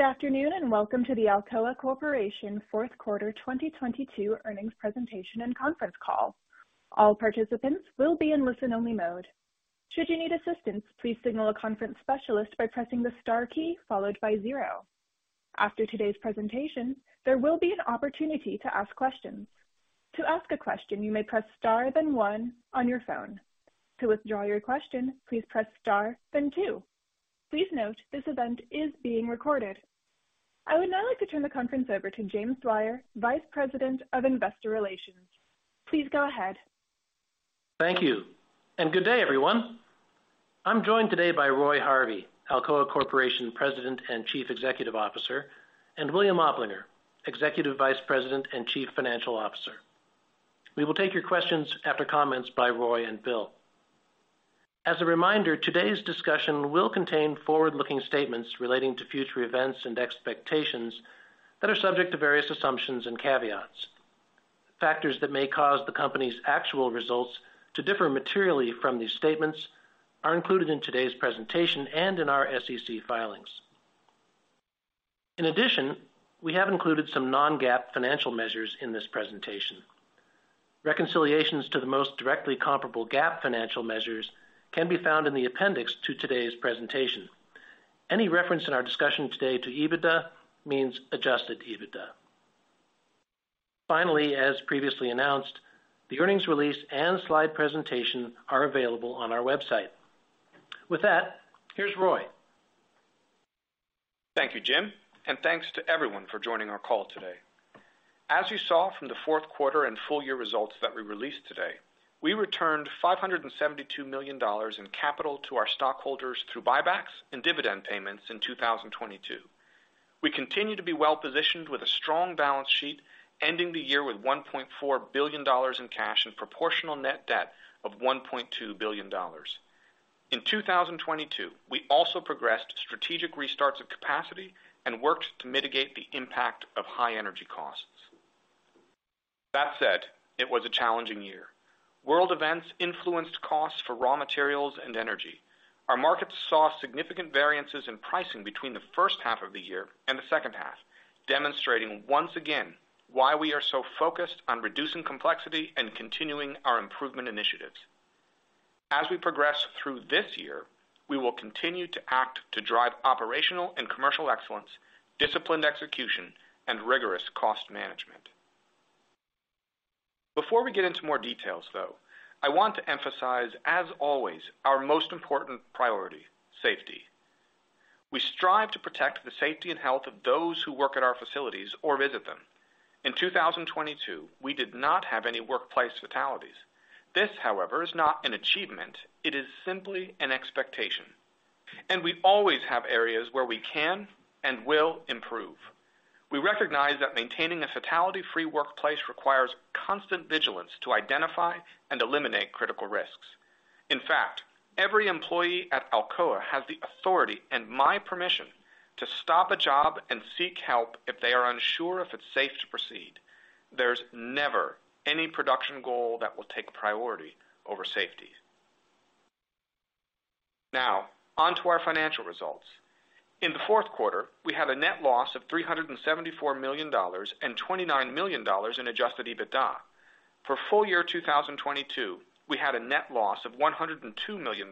Good afternoon, and welcome to the Alcoa Corporation Fourth Quarter 2022 Earnings Presentation and Conference Call. All participants will be in listen-only mode. Should you need assistance, please signal a conference specialist by pressing the star key followed by zero. After today's presentation, there will be an opportunity to ask questions. To ask a question, you may press star then one on your phone. To withdraw your question, please press star then two. Please note this event is being recorded. I would now like to turn the conference over to Jim Dwyer, Vice President of Investor Relations. Please go ahead. Thank you. Good day, everyone. I'm joined today by Roy Harvey, Alcoa Corporation President and Chief Executive Officer, and William Oplinger, Executive Vice President and Chief Financial Officer. We will take your questions after comments by Roy and Bill. As a reminder, today's discussion will contain forward-looking statements relating to future events and expectations that are subject to various assumptions and caveats. Factors that may cause the company's actual results to differ materially from these statements are included in today's presentation and in our SEC filings. In addition, we have included some non-GAAP financial measures in this presentation. Reconciliations to the most directly comparable GAAP financial measures can be found in the appendix to today's presentation. Any reference in our discussion today to EBITDA means Adjusted EBITDA. As previously announced, the earnings release and slide presentation are available on our website. With that, here's Roy. Thank you, Jim. Thanks to everyone for joining our call today. As you saw from the fourth quarter and full year results that we released today, we returned $572 million in capital to our stockholders through buybacks and dividend payments in 2022. We continue to be well-positioned with a strong balance sheet, ending the year with $1.4 billion in cash and proportional net debt of $1.2 billion. In 2022, we also progressed strategic restarts of capacity and worked to mitigate the impact of high energy costs. That said, it was a challenging year. World events influenced costs for raw materials and energy. Our markets saw significant variances in pricing between the first half of the year and the second half, demonstrating once again why we are so focused on reducing complexity and continuing our improvement initiatives. As we progress through this year, we will continue to act to drive operational and commercial excellence, disciplined execution, and rigorous cost management. Before we get into more details, though, I want to emphasize, as always, our most important priority: safety. We strive to protect the safety and health of those who work at our facilities or visit them. In 2022, we did not have any workplace fatalities. This, however, is not an achievement. It is simply an expectation. We always have areas where we can and will improve. We recognize that maintaining a fatality-free workplace requires constant vigilance to identify and eliminate critical risks. In fact, every employee at Alcoa has the authority and my permission to stop a job and seek help if they are unsure if it's safe to proceed. There's never any production goal that will take priority over safety. On to our financial results. In the fourth quarter, we had a net loss of $374 million and $29 million in Adjusted EBITDA. For full year 2022, we had a net loss of $102 million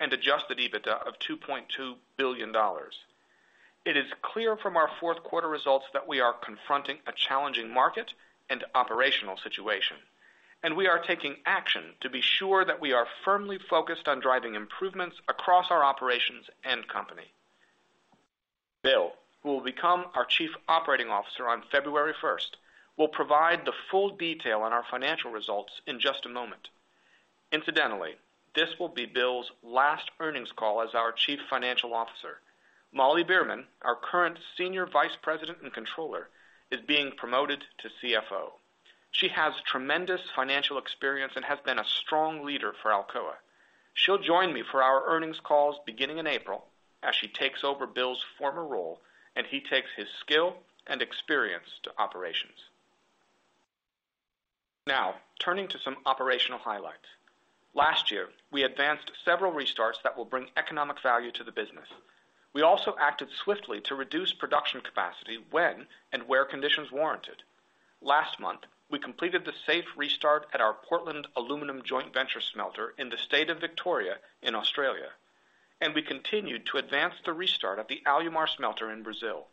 and Adjusted EBITDA of $2.2 billion. It is clear from our fourth quarter results that we are confronting a challenging market and operational situation, and we are taking action to be sure that we are firmly focused on driving improvements across our operations and company. Bill, who will become our Chief Operating Officer on February 1st, will provide the full detail on our financial results in just a moment. Incidentally, this will be Bill's last earnings call as our Chief Financial Officer. Molly Beerman, our current Senior Vice President and Controller, is being promoted to CFO. She has tremendous financial experience and has been a strong leader for Alcoa. She'll join me for our earnings calls beginning in April as she takes over Bill's former role and he takes his skill and experience to operations. Turning to some operational highlights. Last year, we advanced several restarts that will bring economic value to the business. We also acted swiftly to reduce production capacity when and where conditions warranted. Last month, we completed the safe restart at our Portland Aluminium joint venture smelter in the state of Victoria in Australia. We continued to advance the restart of the Alumar smelter in Brazil.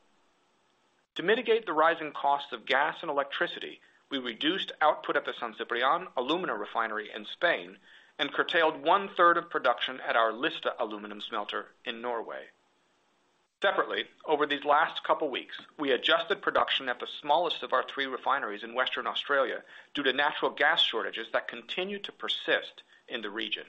To mitigate the rising cost of gas and electricity, we reduced output at the San Ciprián alumina refinery in Spain and curtailed one-third of production at our Lista aluminum smelter in Norway. Separately, over these last couple weeks, we adjusted production at the smallest of our three refineries in Western Australia due to natural gas shortages that continue to persist in the region.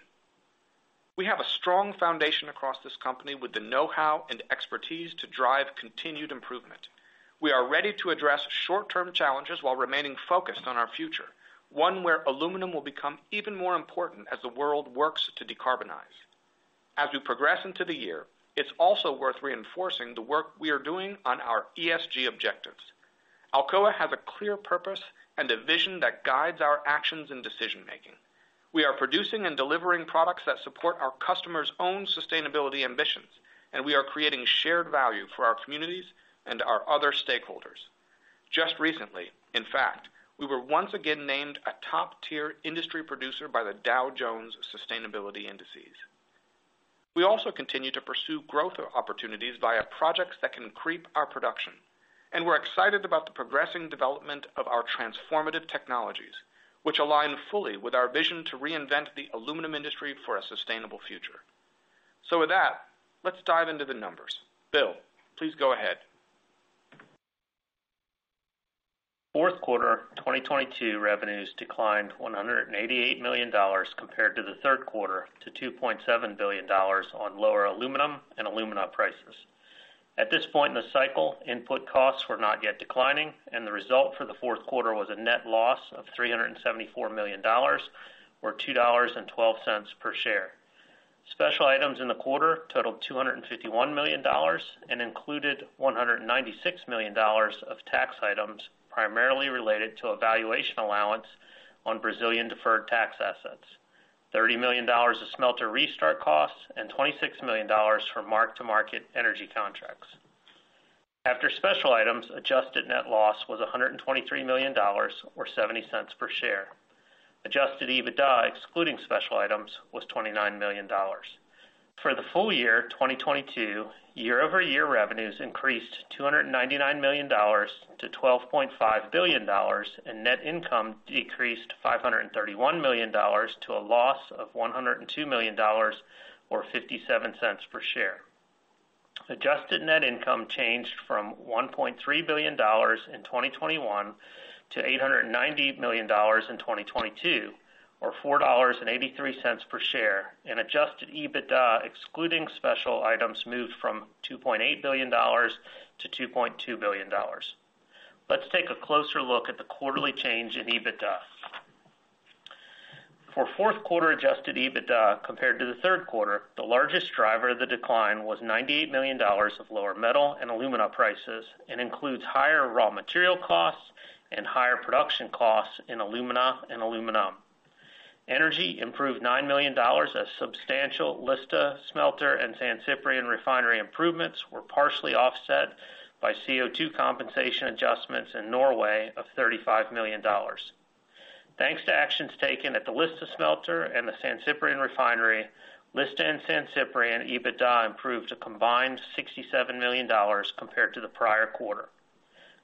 We have a strong foundation across this company with the know-how and expertise to drive continued improvement. We are ready to address short-term challenges while remaining focused on our future, one where aluminum will become even more important as the world works to decarbonize. As we progress into the year, it's also worth reinforcing the work we are doing on our ESG objectives. Alcoa has a clear purpose and a vision that guides our actions and decision-making. We are producing and delivering products that support our customers' own sustainability ambitions, and we are creating shared value for our communities and our other stakeholders. Just recently, in fact, we were once again named a top-tier industry producer by the Dow Jones Sustainability Indices. We also continue to pursue growth opportunities via projects that can creep our production, and we're excited about the progressing development of our transformative technologies, which align fully with our vision to reinvent the aluminum industry for a sustainable future. With that, let's dive into the numbers. Bill, please go ahead. Fourth quarter 2022 revenues declined $188 million compared to the third quarter to $2.7 billion on lower aluminum and alumina prices. At this point in the cycle, input costs were not yet declining. The result for the fourth quarter was a net loss of $374 million or $2.12 per share. Special items in the quarter totaled $251 million and included $196 million of tax items primarily related to a valuation allowance on Brazilian deferred tax assets, $30 million of smelter restart costs, and $26 million for mark-to-market energy contracts. After special items, adjusted net loss was $123 million or $0.70 per share. Adjusted EBITDA, excluding special items, was $29 million. For the full year of 2022, year-over-year revenues increased $299 million to $12.5 billion, and net income decreased $531 million to a loss of $102 million or $0.57 per share. Adjusted net income changed from $1.3 billion in 2021 to $890 million in 2022, or $4.83 per share, and Adjusted EBITDA, excluding special items, moved from $2.8 billion to $2.2 billion. Let's take a closer look at the quarterly change in EBITDA. For fourth quarter Adjusted EBITDA compared to the third quarter, the largest driver of the decline was $98 million of lower metal and alumina prices and includes higher raw material costs and higher production costs in alumina and aluminum. Energy improved $9 million as substantial Lista smelter and San Ciprián refinery improvements were partially offset by CO2 compensation adjustments in Norway of $35 million. Thanks to actions taken at the Lista smelter and the San Ciprián refinery, Lista and San Ciprián EBITDA improved to a combined $67 million compared to the prior quarter.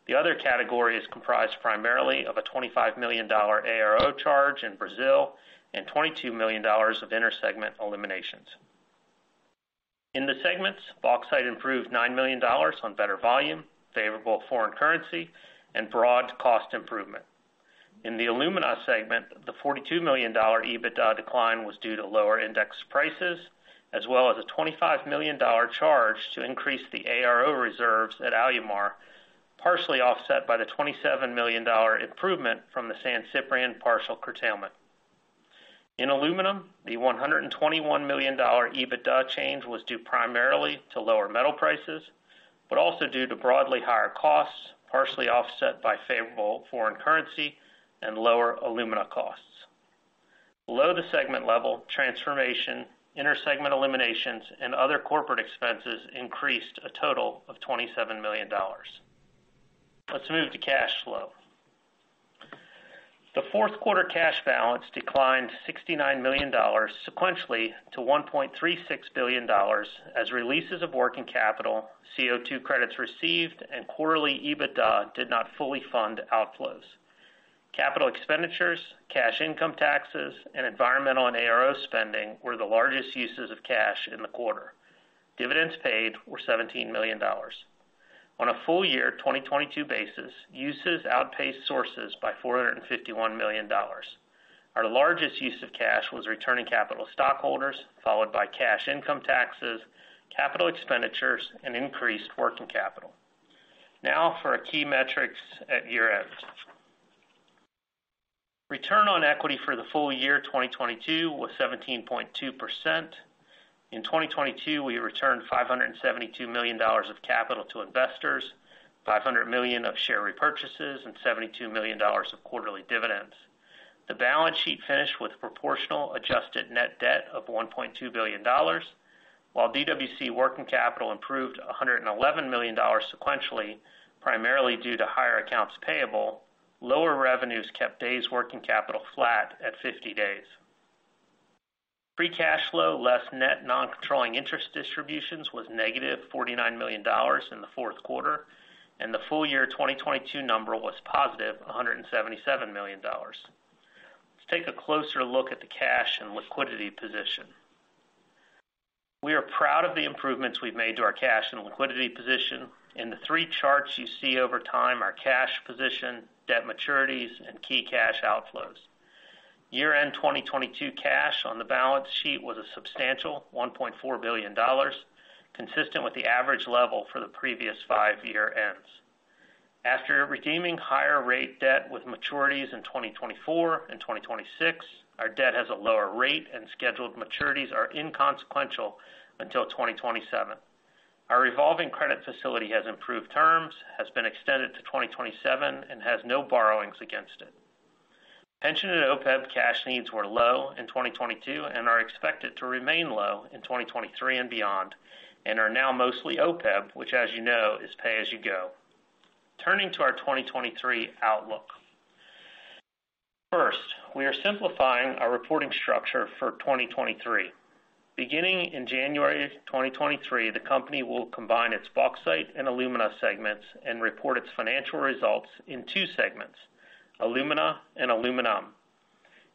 The other category is comprised primarily of a $25 million ARO charge in Brazil and $22 million of intersegment eliminations. In the segments, bauxite improved $9 million on better volume, favorable foreign currency, and broad cost improvement. In the alumina segment, the $42 million EBITDA decline was due to lower index prices, as well as a $25 million charge to increase the ARO reserves at Alumar, partially offset by the $27 million improvement from the San Ciprián partial curtailment. In aluminum, the $121 million EBITDA change was due primarily to lower metal prices, also due to broadly higher costs, partially offset by favorable foreign currency and lower alumina costs. Below the segment level, transformation, intersegment eliminations, and other corporate expenses increased a total of $27 million. Let's move to cash flow. The fourth quarter cash balance declined $69 million sequentially to $1.36 billion as releases of working capital, CO2 credits received, and quarterly EBITDA did not fully fund outflows. Capital expenditures, cash income taxes, and environmental and ARO spending were the largest uses of cash in the quarter. Dividends paid were $17 million. On a full year, 2022 basis, uses outpaced sources by $451 million. Our largest use of cash was returning capital to stockholders, followed by cash income taxes, capital expenditures, and increased working capital. For our key metrics at year-end. Return on equity for the full year 2022 was 17.2%. In 2022, we returned $572 million of capital to investors, $500 million of share repurchases, and $72 million of quarterly dividends. The balance sheet finished with proportional adjusted net debt of $1.2 billion. While DWC working capital improved $111 million sequentially, primarily due to higher accounts payable, lower revenues kept days' working capital flat at 50 days. Free cash flow, less net non-controlling interest distributions, was -$49 million in the fourth quarter, and the full year 2022 number was +$177 million. Let's take a closer look at the cash and liquidity position. We are proud of the improvements we've made to our cash and liquidity position. In the three charts you see over time are cash position, debt maturities, and key cash outflows. Year-end 2022 cash on the balance sheet was a substantial $1.4 billion, consistent with the average level for the previous five year-ends. After redeeming higher rate debt with maturities in 2024 and 2026, our debt has a lower rate, and scheduled maturities are inconsequential until 2027. Our revolving credit facility has improved terms, has been extended to 2027, and has no borrowings against it. Pension and OPEB cash needs were low in 2022 and are expected to remain low in 2023 and beyond, and are now mostly OPEB, which as you know, is pay as you go. Turning to our 2023 outlook. First, we are simplifying our reporting structure for 2023. Beginning in January 2023, the company will combine its bauxite and alumina segments and report its financial results in two segments, alumina and aluminum.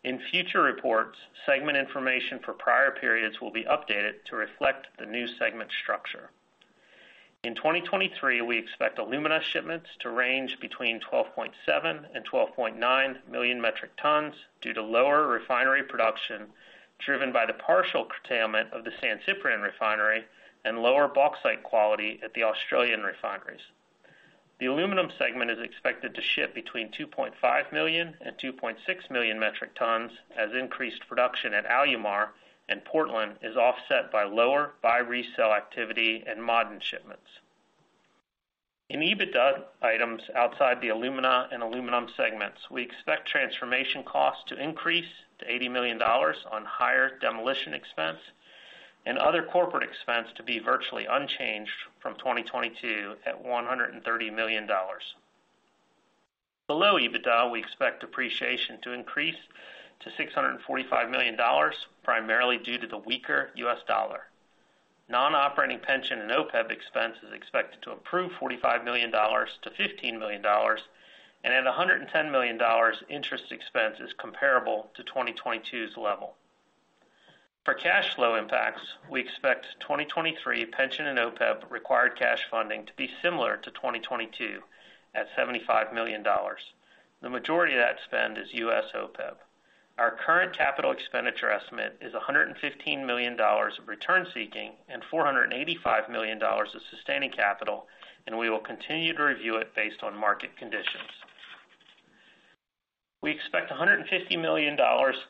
In future reports, segment information for prior periods will be updated to reflect the new segment structure. In 2023, we expect alumina shipments to range between 12.7 million and 12.9 million metric tons due to lower refinery production, driven by the partial curtailment of the San Ciprián refinery and lower bauxite quality at the Australian refineries. The aluminum segment is expected to ship between 2.5 million and 2.6 million metric tons, as increased production at Alumar and Portland is offset by lower buy-resell activity and molten shipments. In EBITDA items outside the alumina and aluminum segments, we expect transformation costs to increase to $80 million on higher demolition expense and other corporate expense to be virtually unchanged from 2022 at $130 million. Below EBITDA, we expect depreciation to increase to $645 million, primarily due to the weaker U.S. dollar. Non-operating pension and OPEB expense is expected to improve $45 million to $15 million, and at $110 million, interest expense is comparable to 2022's level. For cash flow impacts, we expect 2023 pension and OPEB required cash funding to be similar to 2022 at $75 million. The majority of that spend is U.S. OPEB. Our current capital expenditure estimate is $115 million of return seeking and $485 million of sustaining capital, and we will continue to review it based on market conditions. We expect $150 million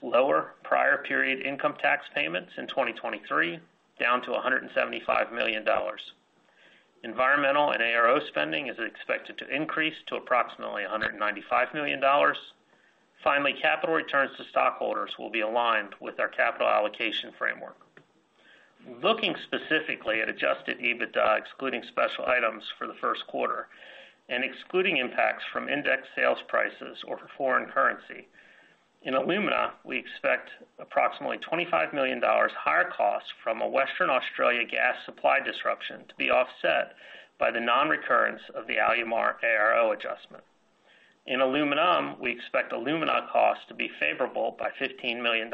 lower prior period income tax payments in 2023, down to $175 million. Environmental and ARO spending is expected to increase to approximately $195 million. Capital returns to stockholders will be aligned with our capital allocation framework. Looking specifically at Adjusted EBITDA, excluding special items for the first quarter and excluding impacts from index sales prices or foreign currency, in alumina, we expect approximately $25 million higher costs from a Western Australia gas supply disruption to be offset by the nonrecurrence of the Alumar ARO adjustment. In aluminum, we expect alumina costs to be favorable by $15 million.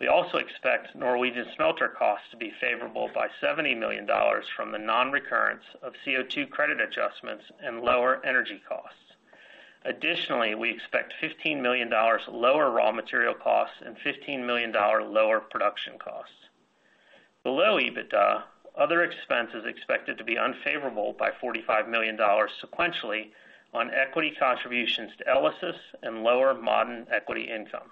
We also expect Norwegian smelter costs to be favorable by $70 million from the nonrecurrence of CO2 credit adjustments and lower energy costs. Additionally, we expect $15 million lower raw material costs and $15 million lower production costs. Below EBITDA, other expenses expected to be unfavorable by $45 million sequentially on equity contributions to ELYSIS and lower Ma'aden equity income.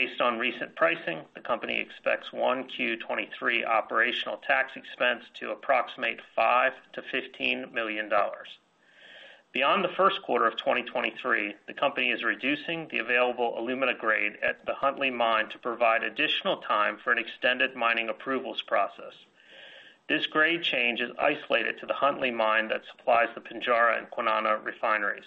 Based on recent pricing, the company expects 1Q 2023 operational tax expense to approximate $5 million-$15 million. Beyond the first quarter of 2023, the company is reducing the available alumina grade at the Huntly Mine to provide additional time for an extended mining approvals process. This grade change is isolated to the Huntly Mine that supplies the Pinjarra and Kwinana refineries.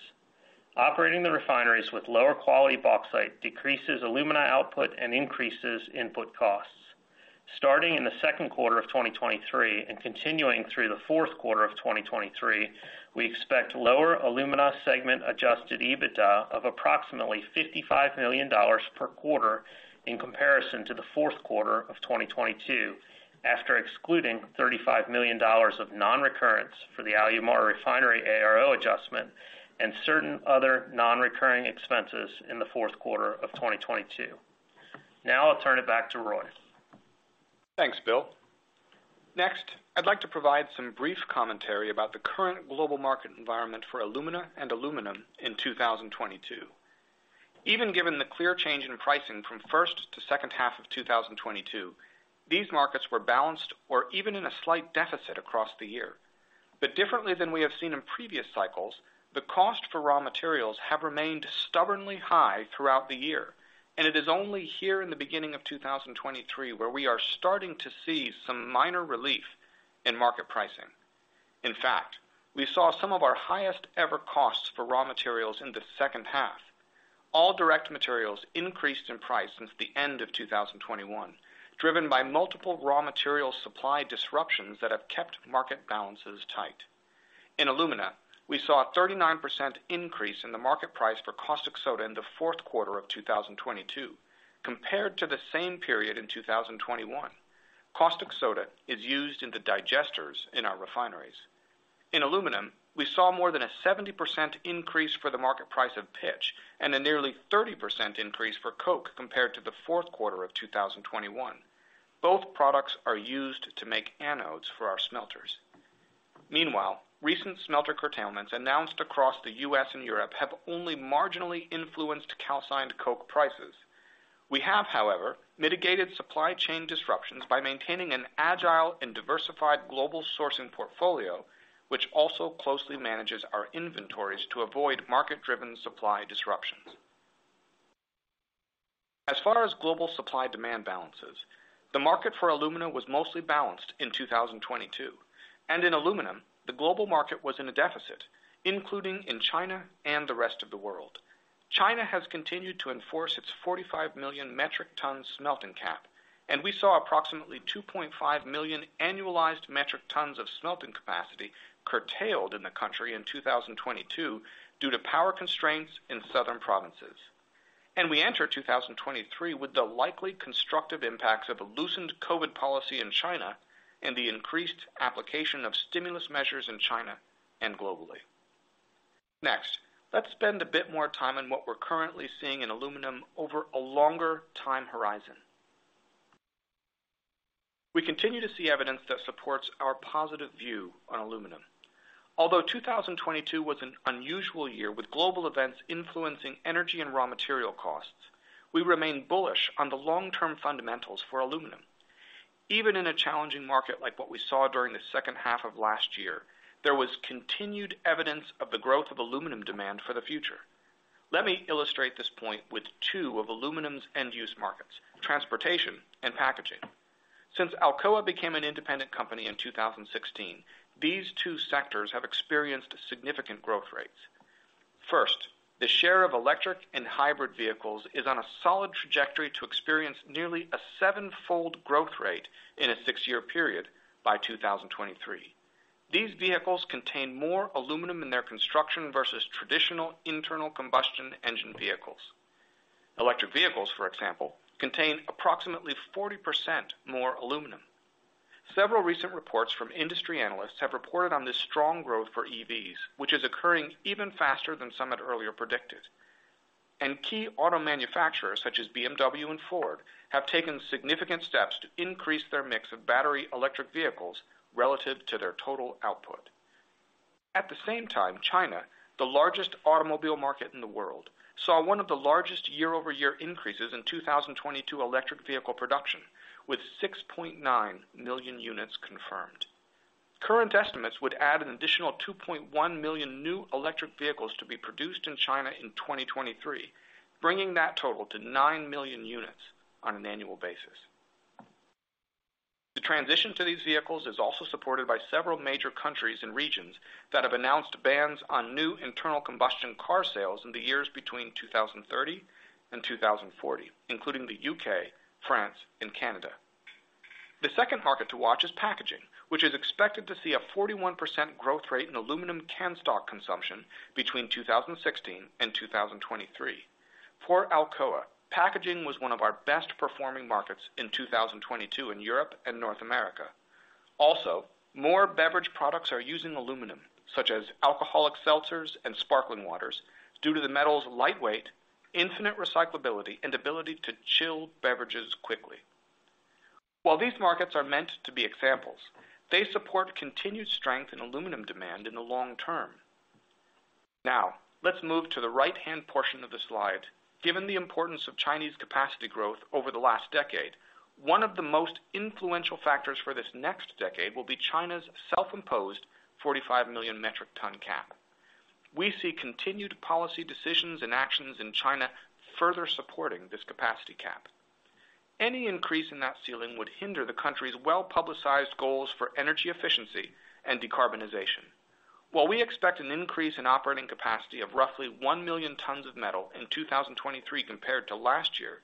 Operating the refineries with lower quality bauxite decreases alumina output and increases input costs. Starting in the second quarter of 2023 and continuing through the fourth quarter of 2023, we expect lower alumina segment Adjusted EBITDA of approximately $55 million per quarter in comparison to the fourth quarter of 2022, after excluding $35 million of nonrecurrence for the Alumar refinery ARO adjustment and certain other nonrecurring expenses in the fourth quarter of 2022. Now I'll turn it back to Roy. Thanks, Bill. Next, I'd like to provide some brief commentary about the current global market environment for alumina and aluminum in 2022. Even given the clear change in pricing from first to second half of 2022, these markets were balanced or even in a slight deficit across the year. Differently than we have seen in previous cycles, the cost for raw materials have remained stubbornly high throughout the year, and it is only here in the beginning of 2023, where we are starting to see some minor relief in market pricing. In fact, we saw some of our highest ever costs for raw materials in the second half. All direct materials increased in price since the end of 2021, driven by multiple raw material supply disruptions that have kept market balances tight. In alumina, we saw a 39% increase in the market price for caustic soda in the fourth quarter of 2022 compared to the same period in 2021. Caustic soda is used in the digesters in our refineries. In aluminum, we saw more than a 70% increase for the market price of pitch and a nearly 30% increase for coke compared to the fourth quarter of 2021. Both products are used to make anodes for our smelters. Meanwhile, recent smelter curtailments announced across the U.S. and Europe have only marginally influenced calcined coke prices. We have, however, mitigated supply chain disruptions by maintaining an agile and diversified global sourcing portfolio, which also closely manages our inventories to avoid market-driven supply disruptions. As far as global supply-demand balances, the market for alumina was mostly balanced in 2022. In aluminum, the global market was in a deficit, including in China and the rest of the world. China has continued to enforce its 45 million metric ton smelting cap, and we saw approximately 2.5 million annualized metric tons of smelting capacity curtailed in the country in 2022 due to power constraints in southern provinces. We enter 2023 with the likely constructive impacts of a loosened COVID policy in China and the increased application of stimulus measures in China and globally. Let's spend a bit more time on what we're currently seeing in aluminum over a longer time horizon. We continue to see evidence that supports our positive view on aluminum. Although 2022 was an unusual year with global events influencing energy and raw material costs, we remain bullish on the long-term fundamentals for aluminum. Even in a challenging market like what we saw during the second half of last year, there was continued evidence of the growth of aluminum demand for the future. Let me illustrate this point with two of aluminum's end-use markets, transportation and packaging. Since Alcoa became an independent company in 2016, these two sectors have experienced significant growth rates. First, the share of electric and hybrid vehicles is on a solid trajectory to experience nearly a seven-fold growth rate in a six-year period by 2023. These vehicles contain more aluminum in their construction versus traditional internal combustion engine vehicles. Electric vehicles, for example, contain approximately 40% more aluminum. Several recent reports from industry analysts have reported on this strong growth for EVs, which is occurring even faster than some had earlier predicted. Key auto manufacturers, such as BMW and Ford, have taken significant steps to increase their mix of battery electric vehicles relative to their total output. At the same time, China, the largest automobile market in the world, saw one of the largest year-over-year increases in 2022 electric vehicle production, with 6.9 million units confirmed. Current estimates would add an additional 2.1 million new electric vehicles to be produced in China in 2023, bringing that total to 9 million units on an annual basis. The transition to these vehicles is also supported by several major countries and regions that have announced bans on new internal combustion car sales in the years between 2030 and 2040, including the U.K., France, and Canada. The second market to watch is packaging, which is expected to see a 41% growth rate in aluminum can stock consumption between 2016 and 2023. For Alcoa, packaging was one of our best-performing markets in 2022 in Europe and North America. More beverage products are using aluminum, such as alcoholic seltzers and sparkling waters, due to the metal's lightweight, infinite recyclability, and ability to chill beverages quickly. While these markets are meant to be examples, they support continued strength in aluminum demand in the long term. Now, let's move to the right-hand portion of the slide. Given the importance of Chinese capacity growth over the last decade, one of the most influential factors for this next decade will be China's self-imposed 45 million metric ton cap. We see continued policy decisions and actions in China further supporting this capacity cap. Any increase in that ceiling would hinder the country's well-publicized goals for energy efficiency and decarbonization. While we expect an increase in operating capacity of roughly 1 million tons of metal in 2023 compared to last year,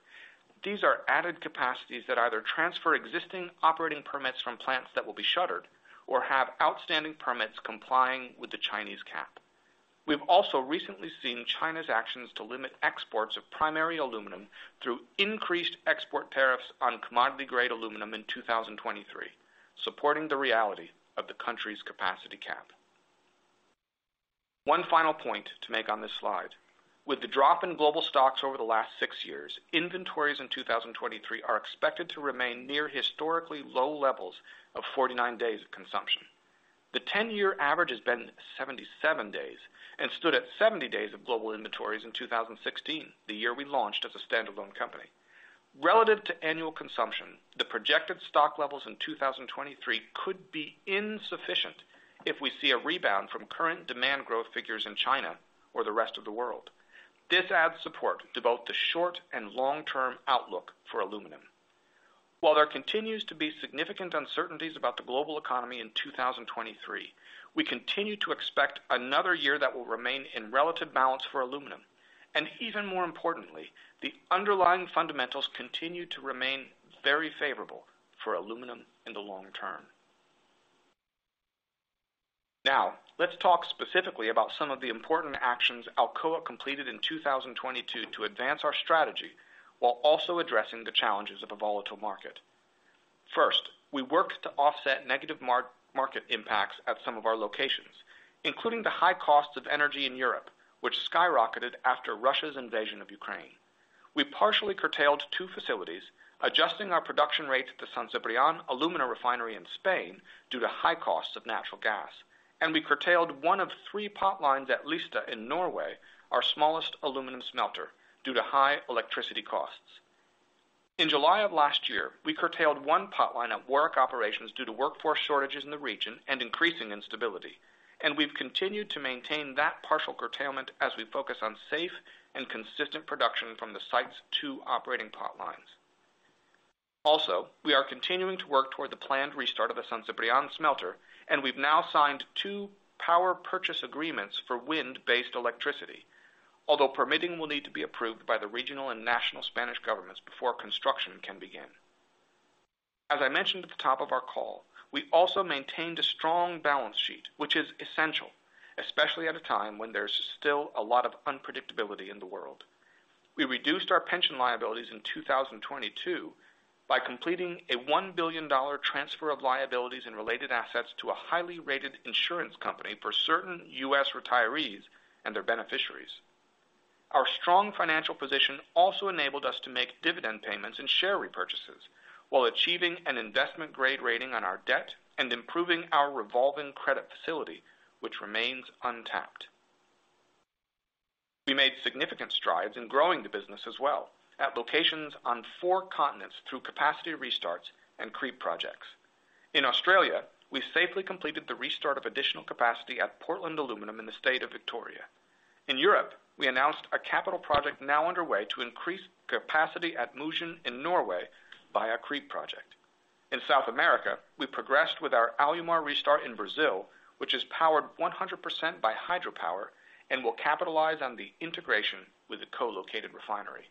these are added capacities that either transfer existing operating permits from plants that will be shuttered or have outstanding permits complying with the Chinese cap. We've also recently seen China's actions to limit exports of primary aluminum through increased export tariffs on commodity-grade aluminum in 2023, supporting the reality of the country's capacity cap. One final point to make on this slide. With the drop in global stocks over the last six years, inventories in 2023 are expected to remain near historically low levels of 49 days of consumption. The 10-year average has been 77 days and stood at 70 days of global inventories in 2016, the year we launched as a standalone company. Relative to annual consumption, the projected stock levels in 2023 could be insufficient if we see a rebound from current demand growth figures in China or the rest of the world. This adds support to both the short- and long-term outlook for aluminum. While there continues to be significant uncertainties about the global economy in 2023, we continue to expect another year that will remain in relative balance for aluminum. Even more importantly, the underlying fundamentals continue to remain very favorable for aluminum in the long term. Now, let's talk specifically about some of the important actions Alcoa completed in 2022 to advance our strategy while also addressing the challenges of a volatile market. First, we worked to offset negative market impacts at some of our locations, including the high cost of energy in Europe, which skyrocketed after Russia's invasion of Ukraine. We partially curtailed two facilities, adjusting our production rate at the San Ciprián alumina refinery in Spain due to high costs of natural gas. We curtailed one of three pot lines at Lista in Norway, our smallest aluminum smelter, due to high electricity costs. In July of last year, we curtailed one pot line at Warrick Operations due to workforce shortages in the region and increasing instability, and we've continued to maintain that partial curtailment as we focus on safe and consistent production from the site's two operating pot lines. We are continuing to work toward the planned restart of the San Ciprián smelter, and we've now signed two power purchase agreements for wind-based electricity. Permitting will need to be approved by the regional and national Spanish governments before construction can begin. As I mentioned at the top of our call, we also maintained a strong balance sheet, which is essential, especially at a time when there's still a lot of unpredictability in the world. We reduced our pension liabilities in 2022 by completing a $1 billion transfer of liabilities and related assets to a highly-rated insurance company for certain U.S. retirees and their beneficiaries. Our strong financial position also enabled us to make dividend payments and share repurchases while achieving an investment-grade rating on our debt and improving our revolving credit facility, which remains untapped. We made significant strides in growing the business as well at locations on four continents through capacity restarts and creep projects. In Australia, we safely completed the restart of additional capacity at Portland Aluminium in the state of Victoria. In Europe, we announced a capital project now underway to increase capacity at Mosjøen in Norway by a creep project. In South America, we progressed with our Alumar restart in Brazil, which is powered 100% by hydropower and will capitalize on the integration with the co-located refinery.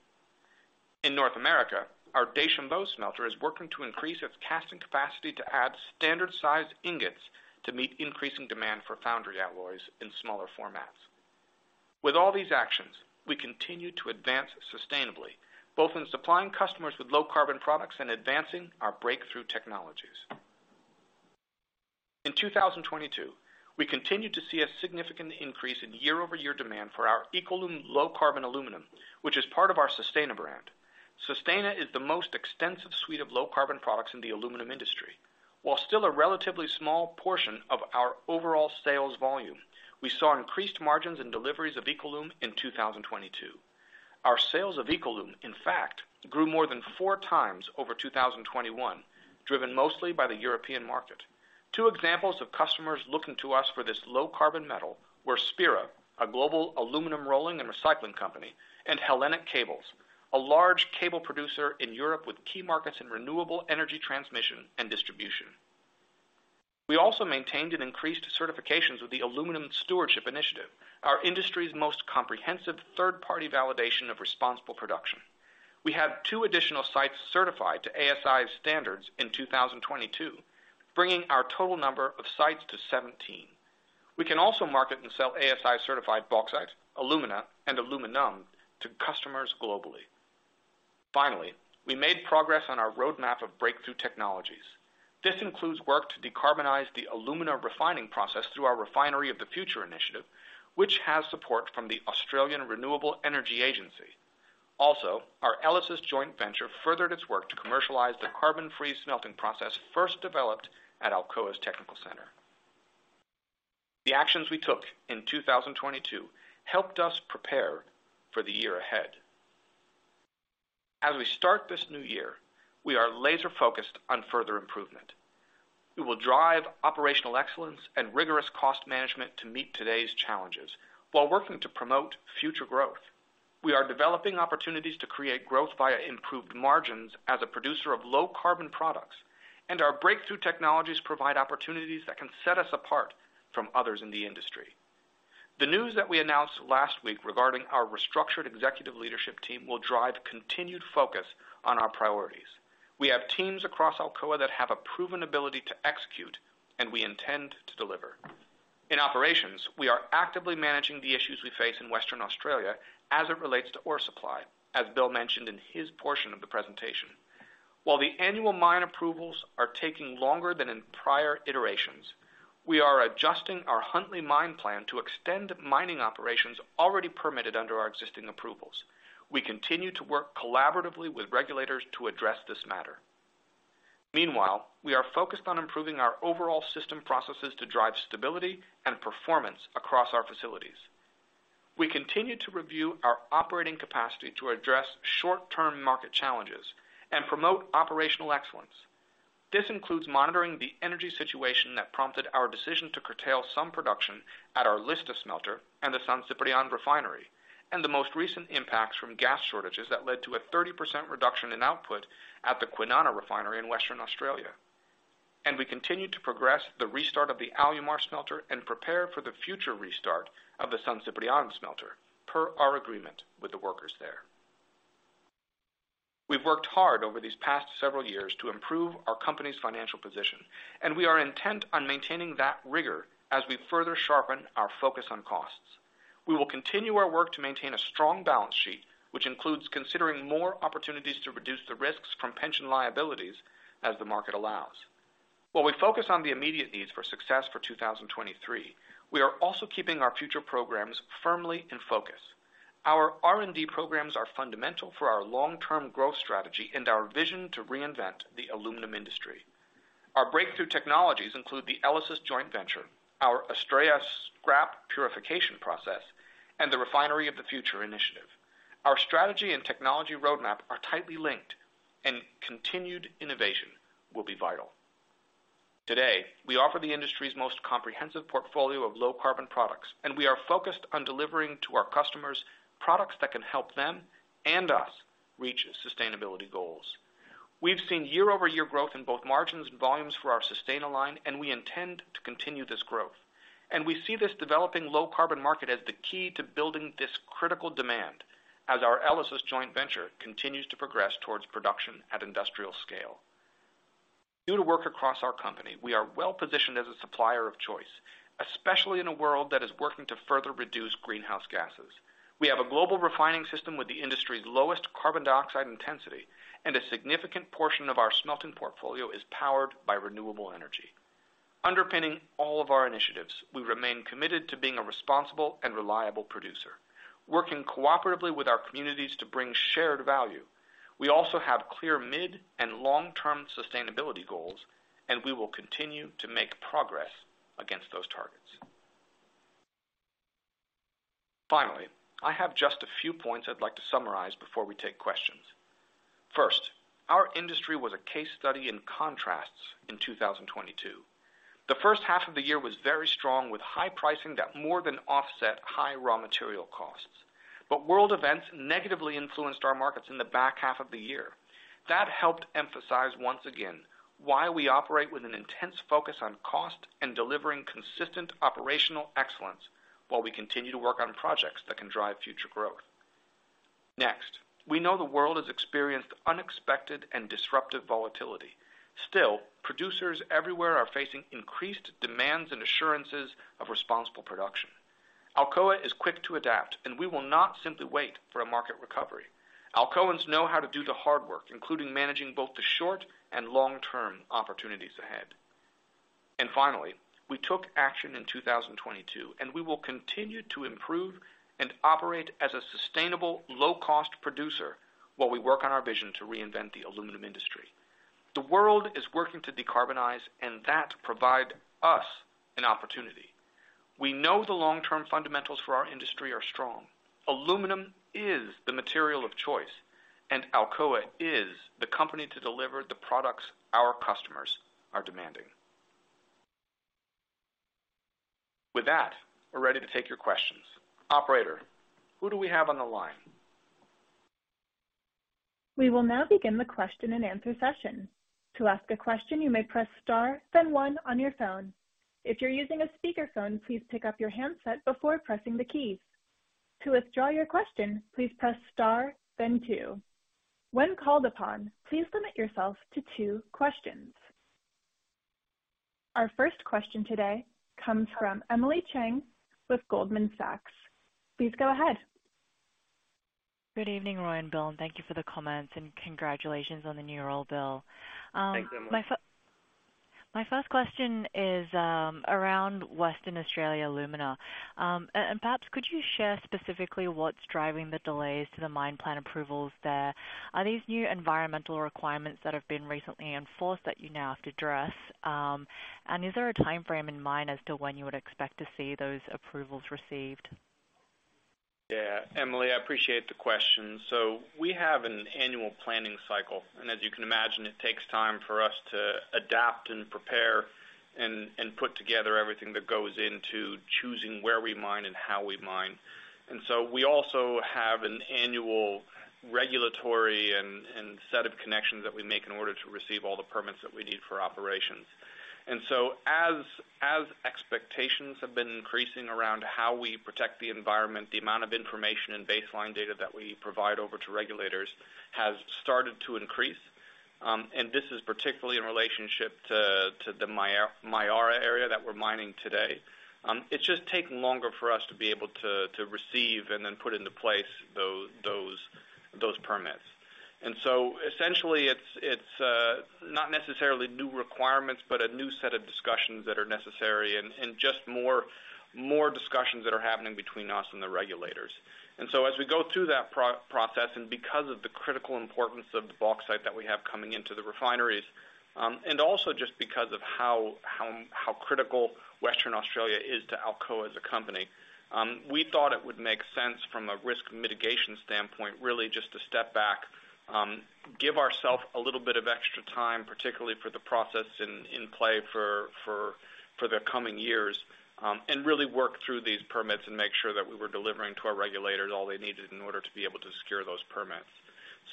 In North America, our Deschambault smelter is working to increase its casting capacity to add standard-sized ingots to meet increasing demand for foundry alloys in smaller formats. With all these actions, we continue to advance sustainably, both in supplying customers with low-carbon products and advancing our breakthrough technologies. In 2022, we continued to see a significant increase in year-over-year demand for our EcoLum low-carbon aluminum, which is part of our Sustana brand. Sustana is the most extensive suite of low-carbon products in the aluminum industry. While still a relatively small portion of our overall sales volume, we saw increased margins and deliveries of EcoLum in 2022. Our sales of EcoLum, in fact, grew more than 4 times over 2021, driven mostly by the European market. Two examples of customers looking to us for this low-carbon metal were Speira, a global aluminum rolling and recycling company, and Hellenic Cables, a large cable producer in Europe with key markets in renewable energy transmission and distribution. We also maintained and increased certifications with the Aluminium Stewardship Initiative, our industry's most comprehensive third-party validation of responsible production. We have two additional sites certified to ASI's standards in 2022, bringing our total number of sites to 17. We can also market and sell ASI-certified bauxite, alumina, and aluminum to customers globally. We made progress on our roadmap of breakthrough technologies. This includes work to decarbonize the alumina refining process through our Refinery of the Future initiative, which has support from the Australian Renewable Energy Agency. Our ELYSIS joint venture furthered its work to commercialize the carbon-free smelting process first developed at Alcoa's Technical Center. The actions we took in 2022 helped us prepare for the year ahead. As we start this new year, we are laser-focused on further improvement. We will drive operational excellence and rigorous cost management to meet today's challenges while working to promote future growth. We are developing opportunities to create growth via improved margins as a producer of low-carbon products. Our breakthrough technologies provide opportunities that can set us apart from others in the industry. The news that we announced last week regarding our restructured executive leadership team will drive continued focus on our priorities. We have teams across Alcoa that have a proven ability to execute, and we intend to deliver. In operations, we are actively managing the issues we face in Western Australia as it relates to ore supply, as Bill mentioned in his portion of the presentation. While the annual mine approvals are taking longer than in prior iterations, we are adjusting our Huntly Mine plan to extend mining operations already permitted under our existing approvals. We continue to work collaboratively with regulators to address this matter. Meanwhile, we are focused on improving our overall system processes to drive stability and performance across our facilities. We continue to review our operating capacity to address short-term market challenges and promote operational excellence. This includes monitoring the energy situation that prompted our decision to curtail some production at our Lista smelter and the San Ciprián refinery, and the most recent impacts from gas shortages that led to a 30% reduction in output at the Kwinana refinery in Western Australia. We continue to progress the restart of the Alumar smelter and prepare for the future restart of the San Ciprián smelter, per our agreement with the workers there. We've worked hard over these past several years to improve our company's financial position, and we are intent on maintaining that rigor as we further sharpen our focus on costs. We will continue our work to maintain a strong balance sheet, which includes considering more opportunities to reduce the risks from pension liabilities as the market allows. While we focus on the immediate needs for success for 2023, we are also keeping our future programs firmly in focus. Our R&D programs are fundamental for our long-term growth strategy and our vision to reinvent the aluminum industry. Our breakthrough technologies include the ELYSIS joint venture, our ASTRAEA scrap purification process, and the Refinery of the Future initiative. Our strategy and technology roadmap are tightly linked. Continued innovation will be vital. Today, we offer the industry's most comprehensive portfolio of low-carbon products. We are focused on delivering to our customers products that can help them and us reach sustainability goals. We've seen year-over-year growth in both margins and volumes for our Sustana, and we intend to continue this growth. We see this developing low carbon market as the key to building this critical demand as our ELYSIS joint venture continues to progress towards production at industrial scale. Due to work across our company, we are well-positioned as a supplier of choice, especially in a world that is working to further reduce greenhouse gases. We have a global refining system with the industry's lowest carbon dioxide intensity, and a significant portion of our smelting portfolio is powered by renewable energy. Underpinning all of our initiatives, we remain committed to being a responsible and reliable producer, working cooperatively with our communities to bring shared value. We also have clear mid and long-term sustainability goals, and we will continue to make progress against those targets. Finally, I have just a few points I'd like to summarize before we take questions. First, our industry was a case study in contrasts in 2022. The first half of the year was very strong, with high pricing that more than offset high raw material costs. World events negatively influenced our markets in the back half of the year. That helped emphasize once again why we operate with an intense focus on cost and delivering consistent operational excellence while we continue to work on projects that can drive future growth. Next, we know the world has experienced unexpected and disruptive volatility. Still, producers everywhere are facing increased demands and assurances of responsible production. Alcoa is quick to adapt, and we will not simply wait for a market recovery. Alcoans know how to do the hard work, including managing both the short and long-term opportunities ahead. Finally, we took action in 2022. We will continue to improve and operate as a sustainable low-cost producer while we work on our vision to reinvent the aluminum industry. The world is working to decarbonize and that provide us an opportunity. We know the long-term fundamentals for our industry are strong. Aluminum is the material of choice. Alcoa is the company to deliver the products our customers are demanding. With that, we're ready to take your questions. Operator, who do we have on the line? We will now begin the question-and-answer session. To ask a question, you may press star then one on your phone. If you're using a speakerphone, please pick up your handset before pressing the keys. To withdraw your question, please press star then two. When called upon, please limit yourself to two questions. Our first question today comes from Emily Chieng with Goldman Sachs. Please go ahead. Good evening, Roy and Bill. Thank you for the comments. Congratulations on the new role, Bill. Thanks, Emily. My first question is, around Western Australia alumina. Perhaps could you share specifically what's driving the delays to the mine plan approvals there? Are these new environmental requirements that have been recently enforced that you now have to address? Is there a timeframe in mind as to when you would expect to see those approvals received? Yeah, Emily, I appreciate the question. We have an annual planning cycle, and as you can imagine, it takes time for us to adapt and prepare and put together everything that goes into choosing where we mine and how we mine. We also have an annual regulatory and set of connections that we make in order to receive all the permits that we need for operations. As expectations have been increasing around how we protect the environment, the amount of information and baseline data that we provide over to regulators has started to increase. And this is particularly in relationship to the Myara area that we're mining today. It's just taking longer for us to be able to receive and then put into place those permits. Essentially it's not necessarily new requirements, but a new set of discussions that are necessary and just more discussions that are happening between us and the regulators. As we go through that process and because of the critical importance of the bauxite that we have coming into the refineries, and also just because of how critical Western Australia is to Alcoa as a company, we thought it would make sense from a risk mitigation standpoint, really just to step back, give ourself a little bit of extra time, particularly for the process in play for the coming years, and really work through these permits and make sure that we were delivering to our regulators all they needed in order to be able to secure those permits.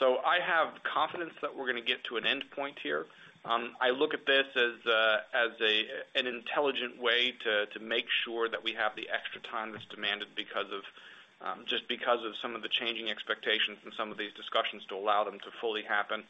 I have confidence that we're gonna get to an endpoint here. I look at this as an intelligent way to make sure that we have the extra time that's demanded because of just because of some of the changing expectations in some of these discussions to allow them to fully happen.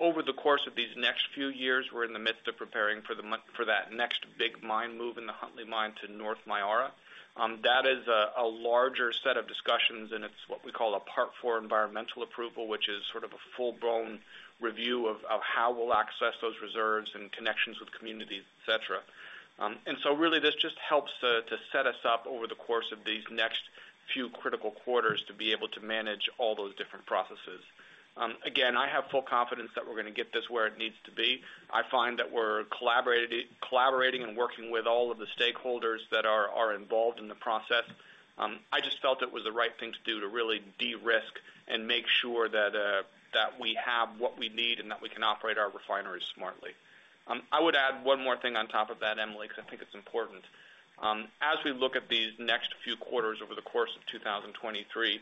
Over the course of these next few years, we're in the midst of preparing for that next big mine move in the Huntly Mine to Myara North. That is a larger set of discussions, and it's what we call a Part IV environmental approval, which is sort of a full-blown review of how we'll access those reserves and connections with communities, et cetera. Really this just helps to set us up over the course of these next few critical quarters to be able to manage all those different processes. Again, I have full confidence that we're gonna get this where it needs to be. I find that we're collaborating and working with all of the stakeholders that are involved in the process. I just felt it was the right thing to do to really de-risk and make sure that we have what we need and that we can operate our refineries smartly. I would add one more thing on top of that, Emily, because I think it's important. As we look at these next few quarters over the course of 2023,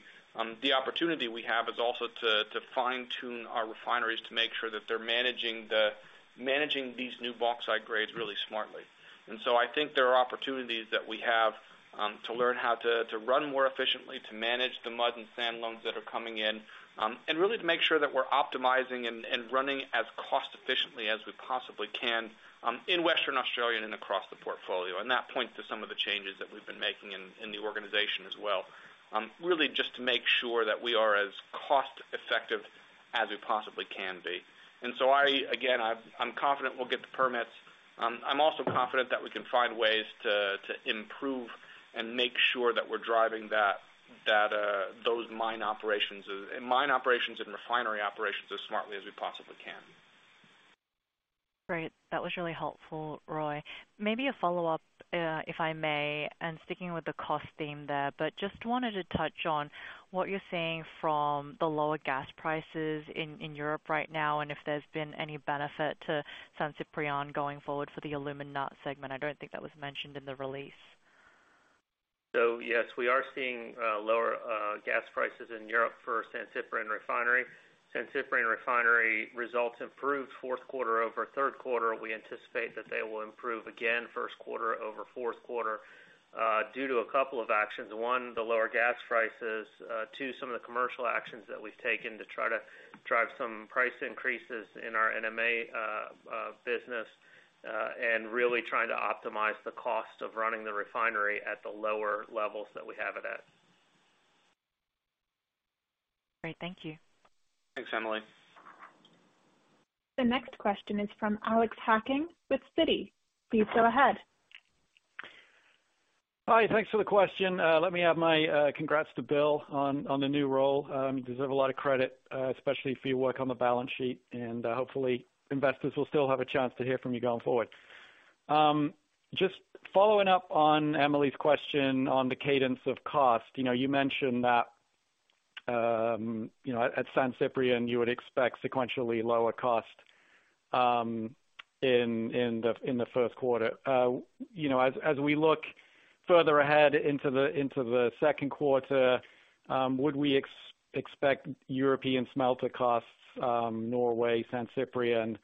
the opportunity we have is also to fine-tune our refineries to make sure that they're managing these new bauxite grades really smartly. I think there are opportunities that we have, to learn how to run more efficiently, to manage the mud and sand loans that are coming in, and really to make sure that we're optimizing and running as cost efficiently as we possibly can, in Western Australia and across the portfolio. That points to some of the changes that we've been making in the organization as well. Really just to make sure that we are as cost-effective as we possibly can be. I, again, I'm confident we'll get the permits. I'm also confident that we can find ways to improve and make sure that we're driving that, those mine operations and refinery operations as smartly as we possibly can. Great. That was really helpful, Roy. Maybe a follow-up, if I may, and sticking with the cost theme there, but just wanted to touch on what you're seeing from the lower gas prices in Europe right now, and if there's been any benefit to San Ciprián going forward for the alumina segment? I don't think that was mentioned in the release. Yes, we are seeing lower gas prices in Europe for San Ciprián refinery. San Ciprián refinery results improved fourth quarter over third quarter. We anticipate that they will improve again first quarter over fourth quarter due to a couple of actions. One, the lower gas prices, two, some of the commercial actions that we've taken to try to drive some price increases in our NMA business, and really trying to optimize the cost of running the refinery at the lower levels that we have it at. Great. Thank you. Thanks, Emily. The next question is from Alex Hacking with Citi. Please go ahead. Hi, thanks for the question. Let me add my congrats to Bill on the new role. You deserve a lot of credit, especially for your work on the balance sheet, and hopefully, investors will still have a chance to hear from you going forward. Just following up on Emily's question on the cadence of cost. You know, you mentioned that, you know, at San Ciprián, you would expect sequentially lower cost in the first quarter. You know, as we look further ahead into the second quarter, would we expect European smelter costs, Norway, San Ciprián,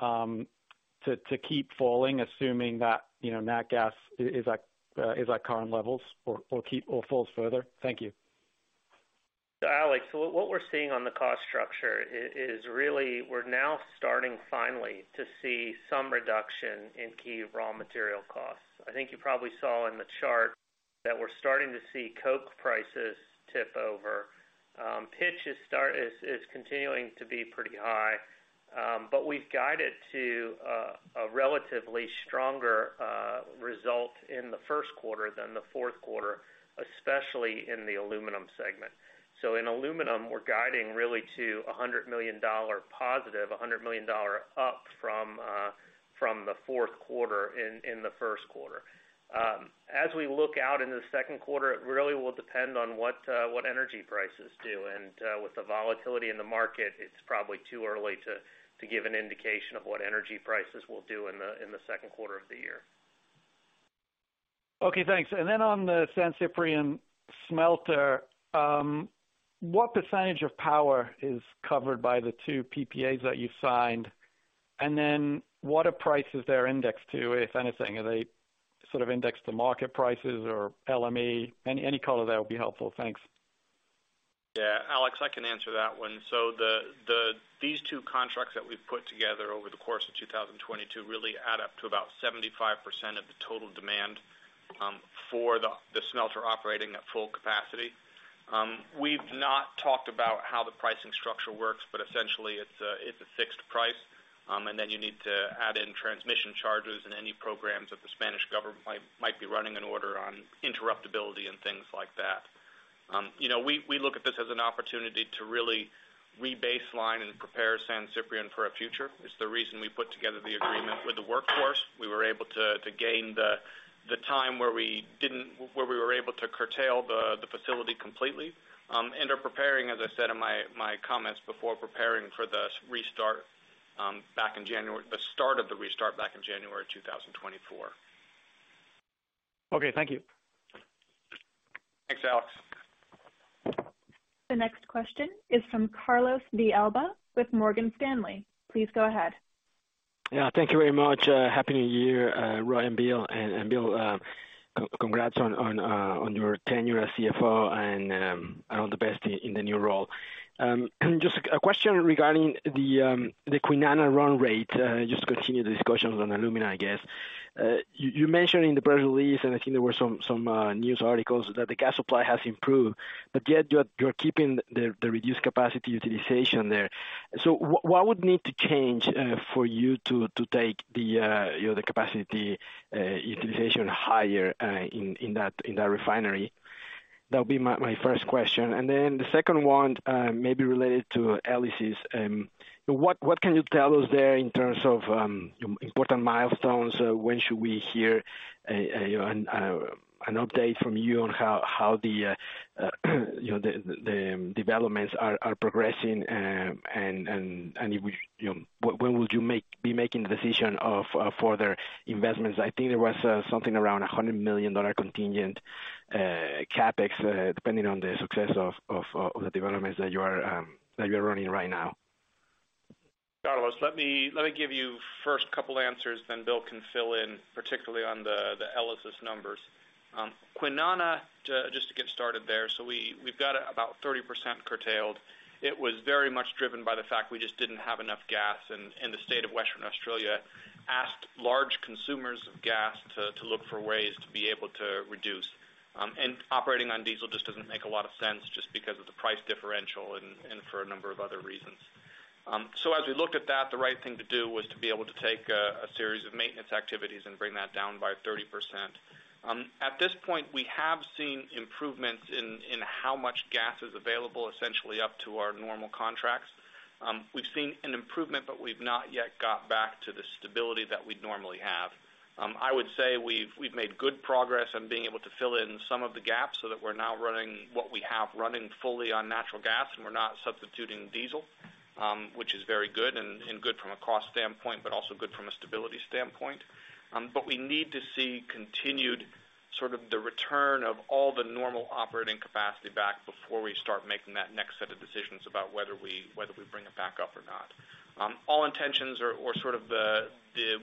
to keep falling, assuming that, you know, nat gas is at current levels or falls further? Thank you. Alex, what we're seeing on the cost structure is really we're now starting finally to see some reduction in key raw material costs. I think you probably saw in the chart that we're starting to see coke prices tip over. Pitch is continuing to be pretty high, but we've guided to a relatively stronger result in the first quarter than the fourth quarter, especially in the aluminum segment. In aluminum, we're guiding really to a $100 million positive, $100 million up from the fourth quarter in the first quarter. As we look out in the second quarter, it really will depend on what energy prices do. With the volatility in the market, it's probably too early to give an indication of what energy prices will do in the second quarter of the year. Okay, thanks. On the San Ciprián smelter, what percentage of power is covered by the two PPAs that you signed? What are prices they're indexed to, if anything? Are they sort of indexed to market prices or LME? Any color that would be helpful. Thanks. Yeah, Alex, I can answer that one. So these two contracts that we've put together over the course of 2022 really add up to about 75% of the total demand for the smelter operating at full capacity. We've not talked about how the pricing structure works, but essentially it's a fixed price. And then you need to add in transmission charges and any programs that the Spanish government might be running an order on interruptibility and things like that. You know, we look at this as an opportunity to really re-baseline and prepare San Ciprián for a future. It's the reason we put together the agreement with the workforce. We were able to gain the time where we were able to curtail the facility completely, and are preparing, as I said in my comments before, for the restart back in January, the start of the restart back in January 2024. Okay, thank you. Thanks, Alex. The next question is from Carlos de Alba with Morgan Stanley. Please go ahead. Yeah, thank you very much. Happy New Year, Roy and Bill. Bill, congrats on your tenure as CFO and all the best in the new role. Just a question regarding the Kwinana run rate, just to continue the discussions on alumina, I guess. You mentioned in the press release, I think there were some news articles that the gas supply has improved, yet you're keeping the reduced capacity utilization there. What would need to change for you to take the, you know, the capacity utilization higher in that refinery? That'll be my first question. The second one may be related to ELYSIS. What can you tell us there in terms of important milestones? When should we hear an update from you on how the, you know, the developments are progressing? When would you be making the decision for their investments? I think there was something around $100 million contingent CapEx depending on the success of the developments that you're running right now. Carlos, let me give you first couple answers, then Bill can fill in, particularly on the ELYSIS numbers. Kwinana, just to get started there, we've got about 30% curtailed. It was very much driven by the fact we just didn't have enough gas, and the state of Western Australia asked large consumers of gas to look for ways to be able to reduce. Operating on diesel just doesn't make a lot of sense just because of the price differential and for a number of other reasons. As we looked at that, the right thing to do was to be able to take a series of maintenance activities and bring that down by 30%. At this point, we have seen improvements in how much gas is available essentially up to our normal contracts. We've seen an improvement, but we've not yet got back to the stability that we'd normally have. I would say we've made good progress on being able to fill in some of the gaps so that we're now running what we have running fully on natural gas, and we're not substituting diesel, which is very good and good from a cost standpoint, but also good from a stability standpoint. We need to see continued sort of the return of all the normal operating capacity back before we start making that next set of decisions about whether we bring it back up or not. All intentions or sort of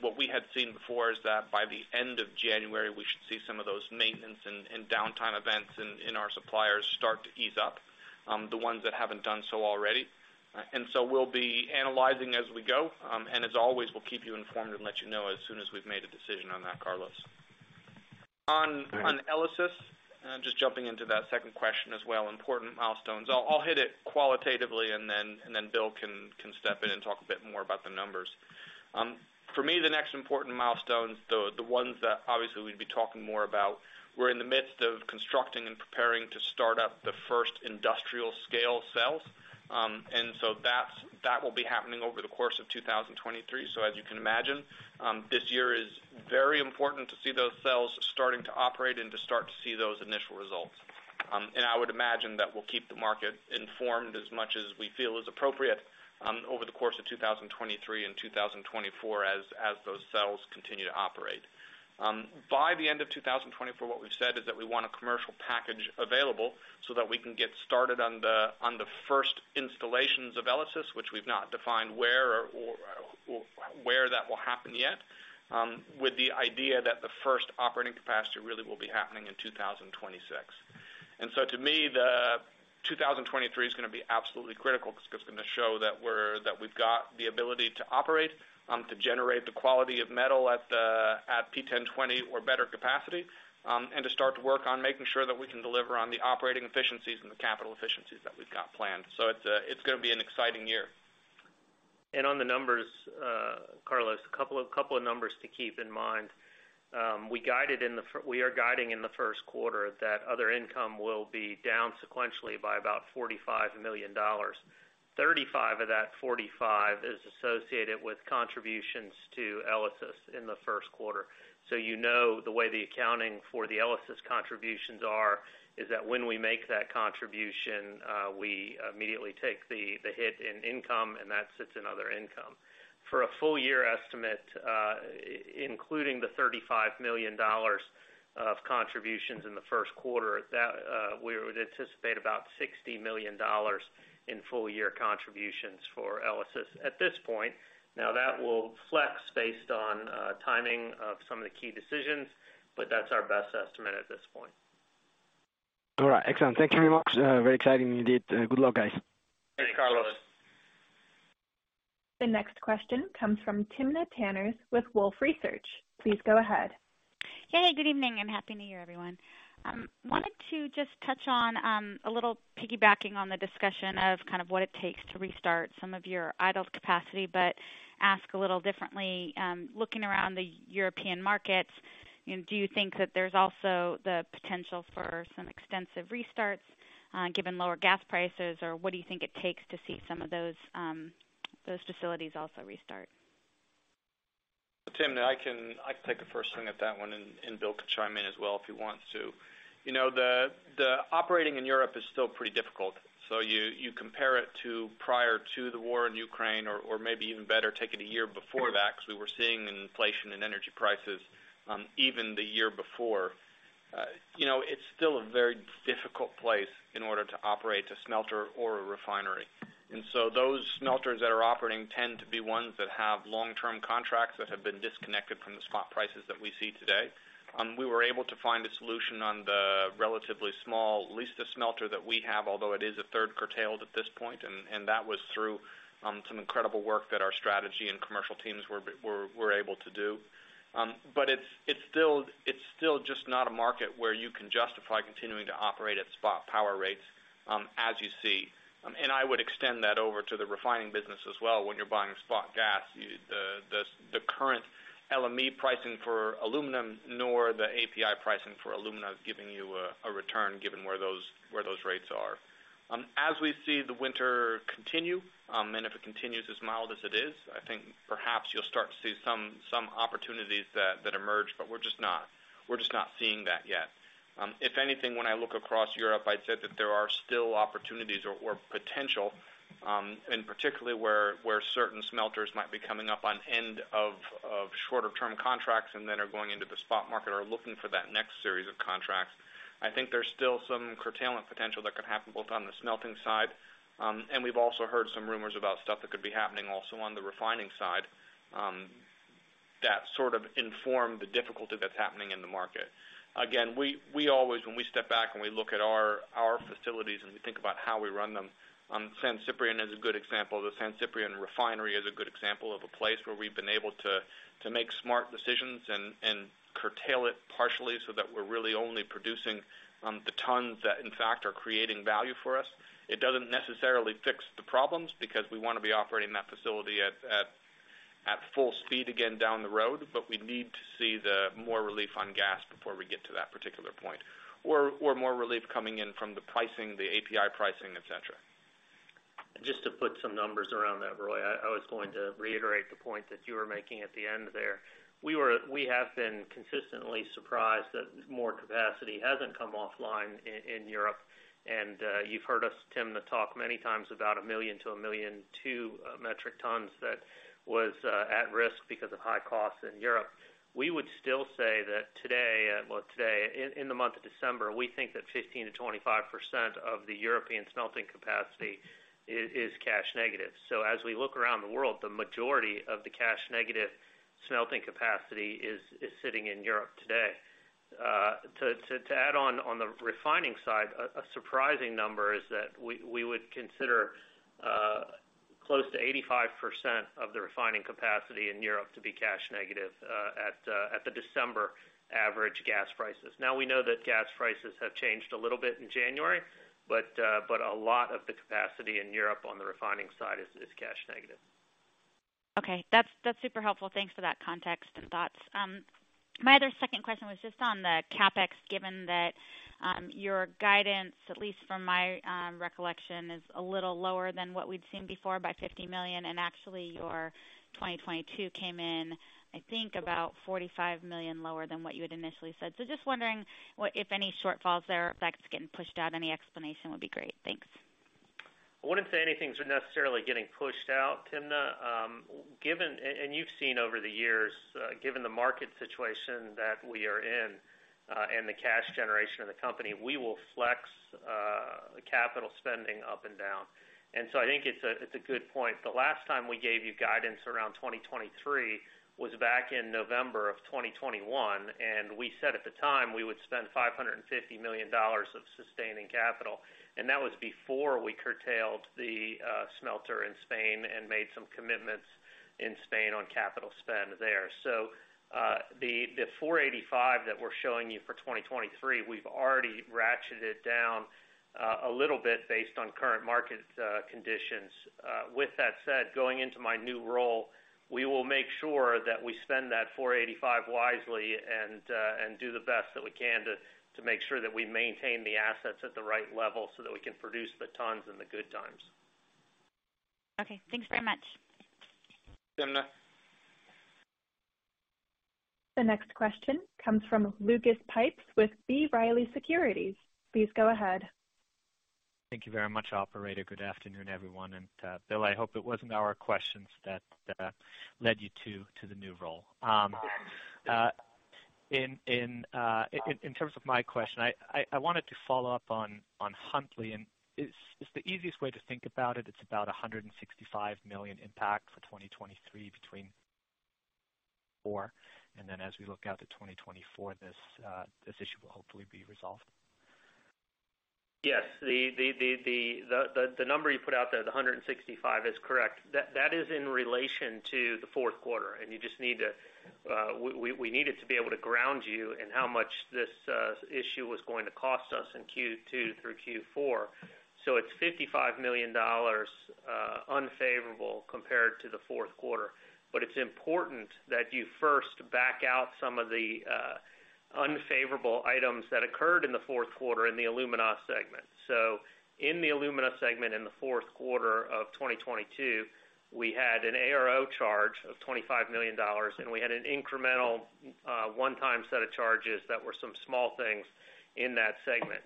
what we had seen before is that by the end of January, we should see some of those maintenance and downtime events in our suppliers start to ease up, the ones that haven't done so already. We'll be analyzing as we go, and as always, we'll keep you informed and let you know as soon as we've made a decision on that, Carlos. On ELYSIS, just jumping into that second question as well, important milestones. I'll hit it qualitatively and then Bill can step in and talk a bit more about the numbers. For me, the next important milestones, the ones that obviously we'd be talking more about, we're in the midst of constructing and preparing to start up the first industrial scale cells. That will be happening over the course of 2023. As you can imagine, this year is very important to see those cells starting to operate and to start to see those initial results. I would imagine that we'll keep the market informed as much as we feel is appropriate over the course of 2023 and 2024 as those cells continue to operate. By the end of 2024, what we've said is that we want a commercial package available so that we can get started on the first installations of ELYSIS, which we've not defined where or where that will happen yet, with the idea that the first operating capacity really will be happening in 2026. To me, the 2023 is going to be absolutely critical because it's going to show that we've got the ability to operate, to generate the quality of metal at P1020 or better capacity, and to start to work on making sure that we can deliver on the operating efficiencies and the capital efficiencies that we've got planned. It's going to be an exciting year. On the numbers, Carlos, a couple of numbers to keep in mind. We are guiding in the first quarter that other income will be down sequentially by about $45 million. 35 of that 45 is associated with contributions to ELYSIS in the first quarter. You know the way the ELYSIS contributions are, is that when we make that contribution, we immediately take the hit in income, and that sits in other income. For a full year estimate, including the $35 million of contributions in the first quarter, we would anticipate about $60 million in full year contributions for ELYSIS at this point. That will flex based on timing of some of the key decisions, but that's our best estimate at this point. All right. Excellent. Thank you very much. Very exciting indeed. Good luck, guys. Thanks, Carlos. The next question comes from Timna Tanners with Wolfe Research. Please go ahead. Hey, good evening, and Happy New Year, everyone. Wanted to just touch on a little piggybacking on the discussion of kind of what it takes to restart some of your idle capacity, but ask a little differently. Looking around the European markets, do you think that there's also the potential for some extensive restarts given lower gas prices? What do you think it takes to see some of those facilities also restart? Timna, I can take the first swing at that one, and Bill can chime in as well if he wants to. You know, the operating in Europe is still pretty difficult. So you compare it to prior to the war in Ukraine, or maybe even better, take it a year before that, because we were seeing inflation in energy prices, even the year before. You know, it's still a very difficult place in order to operate a smelter or a refinery. Those smelters that are operating tend to be ones that have long-term contracts that have been disconnected from the spot prices that we see today. We were able to find a solution on the relatively small Lista smelter that we have, although it is one-third curtailed at this point, and that was through some incredible work that our strategy and commercial teams were able to do. It's still just not a market where you can justify continuing to operate at spot power rates, as you see. I would extend that over to the refining business as well. When you're buying spot gas, the current LME pricing for aluminum nor the API pricing for alumina is giving you a return given where those rates are. As we see the winter continue, if it continues as mild as it is, I think perhaps you'll start to see some opportunities that emerge, but we're just not seeing that yet. If anything, when I look across Europe, I'd say that there are still opportunities or potential, particularly where certain smelters might be coming up on end of shorter-term contracts and then are going into the spot market or are looking for that next series of contracts. I think there's still some curtailment potential that could happen both on the smelting side, we've also heard some rumors about stuff that could be happening also on the refining side, that sort of inform the difficulty that's happening in the market. We always, when we step back and we look at our facilities and we think about how we run them, San Ciprián is a good example. The San Ciprián refinery is a good example of a place where we've been able to make smart decisions and curtail it partially so that we're really only producing the tons that in fact are creating value for us. It doesn't necessarily fix the problems because we wanna be operating that facility at full speed again down the road, we need to see the more relief on gas before we get to that particular point, or more relief coming in from the pricing, the API pricing, et cetera. Just to put some numbers around that, Roy, I was going to reiterate the point that you were making at the end there. We have been consistently surprised that more capacity hasn't come offline in Europe. You've heard us, Timna, talk many times about 1 million to 1.2 million metric tons that was at risk because of high costs in Europe. We would still say that today, well, today, in the month of December, we think that 15%-25% of the European smelting capacity is cash negative. As we look around the world, the majority of the cash negative smelting capacity is sitting in Europe today. To add on the refining side, a surprising number is that we would consider close to 85% of the refining capacity in Europe to be cash negative at the December average gas prices. We know that gas prices have changed a little bit in January, a lot of the capacity in Europe on the refining side is cash negative. That's super helpful. Thanks for that context and thoughts. My other second question was just on the CapEx, given that your guidance, at least from my recollection, is a little lower than what we'd seen before by $50 million, and actually your 2022 came in, I think about $45 million lower than what you had initially said. Just wondering if any shortfalls there, effects getting pushed out, any explanation would be great. Thanks. I wouldn't say anything's necessarily getting pushed out, Timna. Given, and you've seen over the years, given the market situation that we are in, and the cash generation of the company, we will flex the capital spending up and down. I think it's a good point. The last time we gave you guidance around 2023 was back in November of 2021, and we said at the time we would spend $550 million of sustaining capital. That was before we curtailed the smelter in Spain and made some commitments in Spain on capital spend there. The $485 million that we're showing you for 2023, we've already ratcheted down a little bit based on current market conditions. With that said, going into my new role, we will make sure that we spend that $485 wisely and do the best that we can to make sure that we maintain the assets at the right level so that we can produce the tons in the good times. Okay. Thanks very much. Timna. The next question comes from Lucas Pipes with B. Riley Securities. Please go ahead. Thank you very much, operator. Good afternoon, everyone. Bill, I hope it wasn't our questions that led you to the new role. In terms of my question, I wanted to follow up on Huntly. Is the easiest way to think about it's about $165 million impact for 2023 between four, and then as we look out to 2024, this issue will hopefully be resolved? Yes. The number you put out there, the $165 million is correct. That is in relation to the fourth quarter. You just need to, we need it to be able to ground you in how much this issue was going to cost us in Q2 through Q4. It's $55 million unfavorable compared to the fourth quarter. It's important that you first back out some of the unfavorable items that occurred in the fourth quarter in the alumina segment. In the alumina segment in the fourth quarter of 2022, we had an ARO charge of $25 million, and we had an incremental one-time set of charges that were some small things in that segment.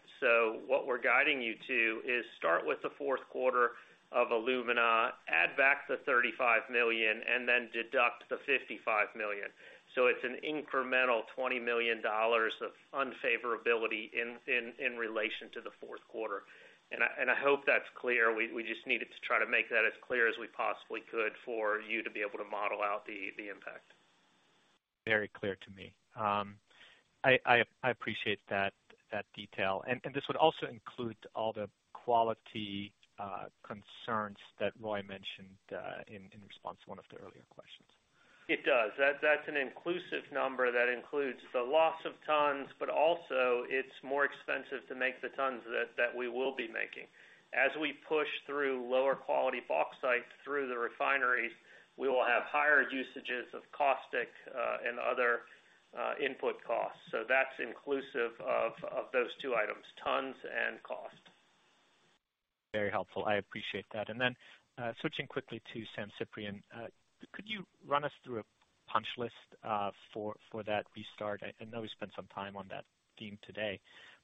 What we're guiding you to is start with the fourth quarter of alumina, add back the $35 million, and then deduct the $55 million. It's an incremental $20 million of unfavorability in relation to the fourth quarter. I hope that's clear. We just needed to try to make that as clear as we possibly could for you to be able to model out the impact. Very clear to me. I appreciate that detail. This would also include all the quality concerns that Roy mentioned in response to one of the earlier questions? It does. That's an inclusive number that includes the loss of tons, but also it's more expensive to make the tons that we will be making. As we push through lower quality bauxite through the refineries, we will have higher usages of caustic and other input costs. That's inclusive of those two items, tons and cost. Very helpful. I appreciate that. Then, switching quickly to San Ciprián. Could you run us through a punch list for that restart? I know we spent some time on that theme today,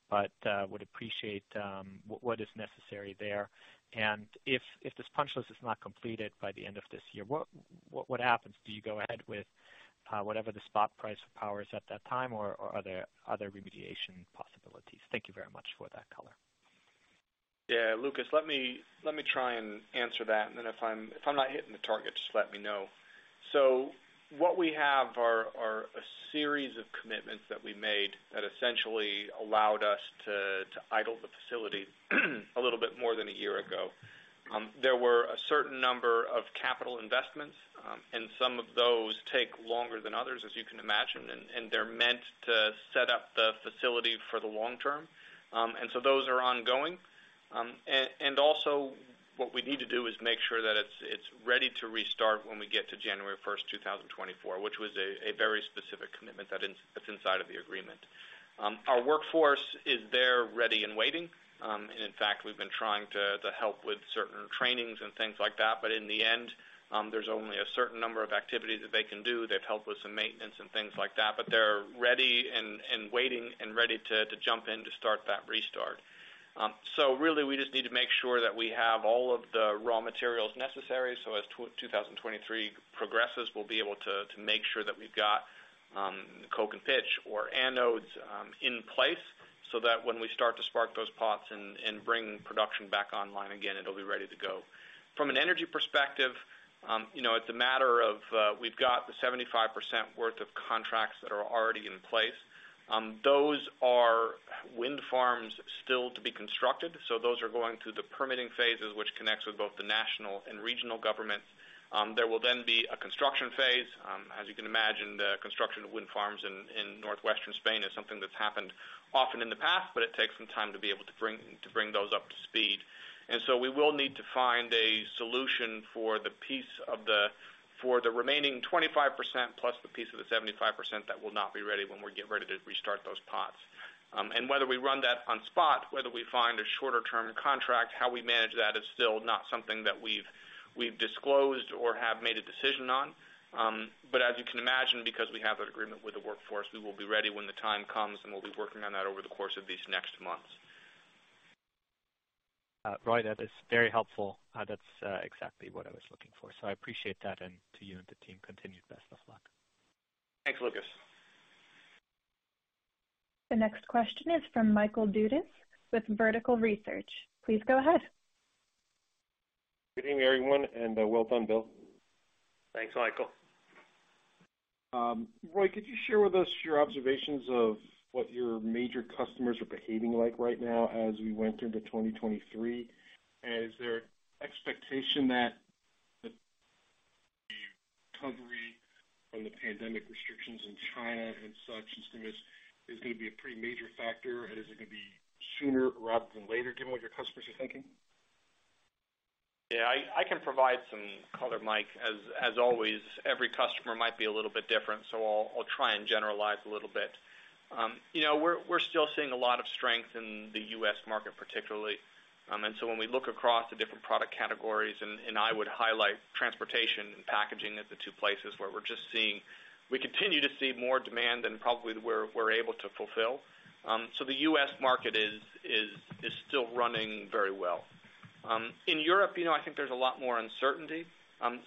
but would appreciate what is necessary there. If this punch list is not completed by the end of this year, what happens? Do you go ahead with whatever the spot price of power is at that time, or are there other remediation possibilities? Thank you very much for that color. Yeah, Lucas, let me try and answer that. Then if I'm not hitting the target, just let me know. What we have are a series of commitments that we made that essentially allowed us to idle the facility a little bit more than one year ago. There were a certain number of capital investments, and some of those take longer than others, as you can imagine. They're meant to set up the facility for the long term. Also what we need to do is make sure that it's ready to restart when we get to January 1, 2024, which was a very specific commitment that's inside of the agreement. Our workforce is there ready and waiting. In fact, we've been trying to help with certain trainings and things like that. In the end, there's only a certain number of activities that they can do. They've helped with some maintenance and things like that, but they're ready and waiting and ready to jump in to start that restart. Really we just need to make sure that we have all of the raw materials necessary. As 2023 progresses, we'll be able to make sure that we've got coke and pitch or anodes in place so that when we start to spark those pots and bring production back online again, it'll be ready to go. From an energy perspective, you know, it's a matter of, we've got the 75% worth of contracts that are already in place. Those are wind farms still to be constructed, so those are going through the permitting phases, which connects with both the national and regional governments. There will then be a construction phase. As you can imagine, the construction of wind farms in Northwestern Spain is something that's happened often in the past, but it takes some time to be able to bring, to bring those up to speed. We will need to find a solution for the remaining 25%, plus the piece of the 75% that will not be ready when we get ready to restart those pots. And whether we run that on spot, whether we find a shorter-term contract, how we manage that is still not something that we've disclosed or have made a decision on. As you can imagine, because we have that agreement with the workforce, we will be ready when the time comes, and we'll be working on that over the course of these next months. Roy, that is very helpful. That's exactly what I was looking for. I appreciate that. To you and the team, continued best of luck. Thanks, Lucas. The next question is from Michael Dudas with Vertical Research. Please go ahead. Good evening, everyone, and, well done, Bill. Thanks, Michael. Roy, could you share with us your observations of what your major customers are behaving like right now as we went into 2023? Is there expectation that the recovery from the pandemic restrictions in China and such is gonna be a pretty major factor? Is it gonna be sooner rather than later, given what your customers are thinking? Yeah. I can provide some color, Mike. As always, every customer might be a little bit different, so I'll try and generalize a little bit. you know, we're still seeing a lot of strength in the U.S. market particularly. When we look across the different product categories, and I would highlight transportation and packaging as the two places where we're just seeing we continue to see more demand than probably we're able to fulfill. The U.S. market is still running very well. In Europe, you know, I think there's a lot more uncertainty.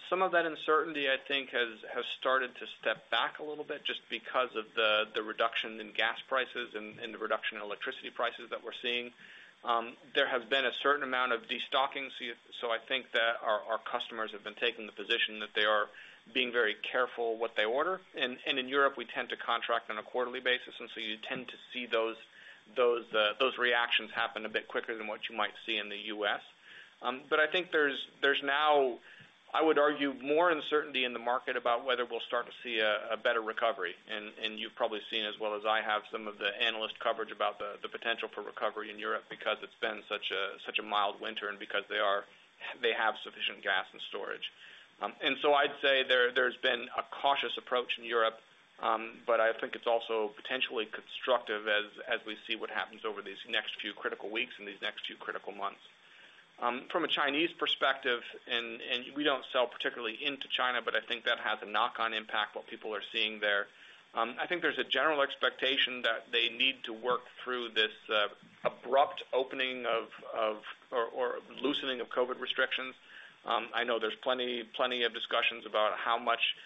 Some of that uncertainty, I think, has started to step back a little bit just because of the reduction in gas prices and the reduction in electricity prices that we're seeing. There has been a certain amount of destocking, so I think that our customers have been taking the position that they are being very careful what they order. In Europe, we tend to contract on a quarterly basis, and so you tend to see those reactions happen a bit quicker than what you might see in the U.S. But I think there's now, I would argue, more uncertainty in the market about whether we'll start to see a better recovery. You've probably seen as well as I have some of the analyst coverage about the potential for recovery in Europe because it's been such a mild winter and because they have sufficient gas and storage. I'd say there's been a cautious approach in Europe, but I think it's also potentially constructive as we see what happens over these next few critical weeks and these next few critical months. From a Chinese perspective, we don't sell particularly into China, but I think that has a knock-on impact, what people are seeing there. I think there's a general expectation that they need to work through this abrupt opening of or loosening of COVID restrictions. I know there's plenty of discussions about how much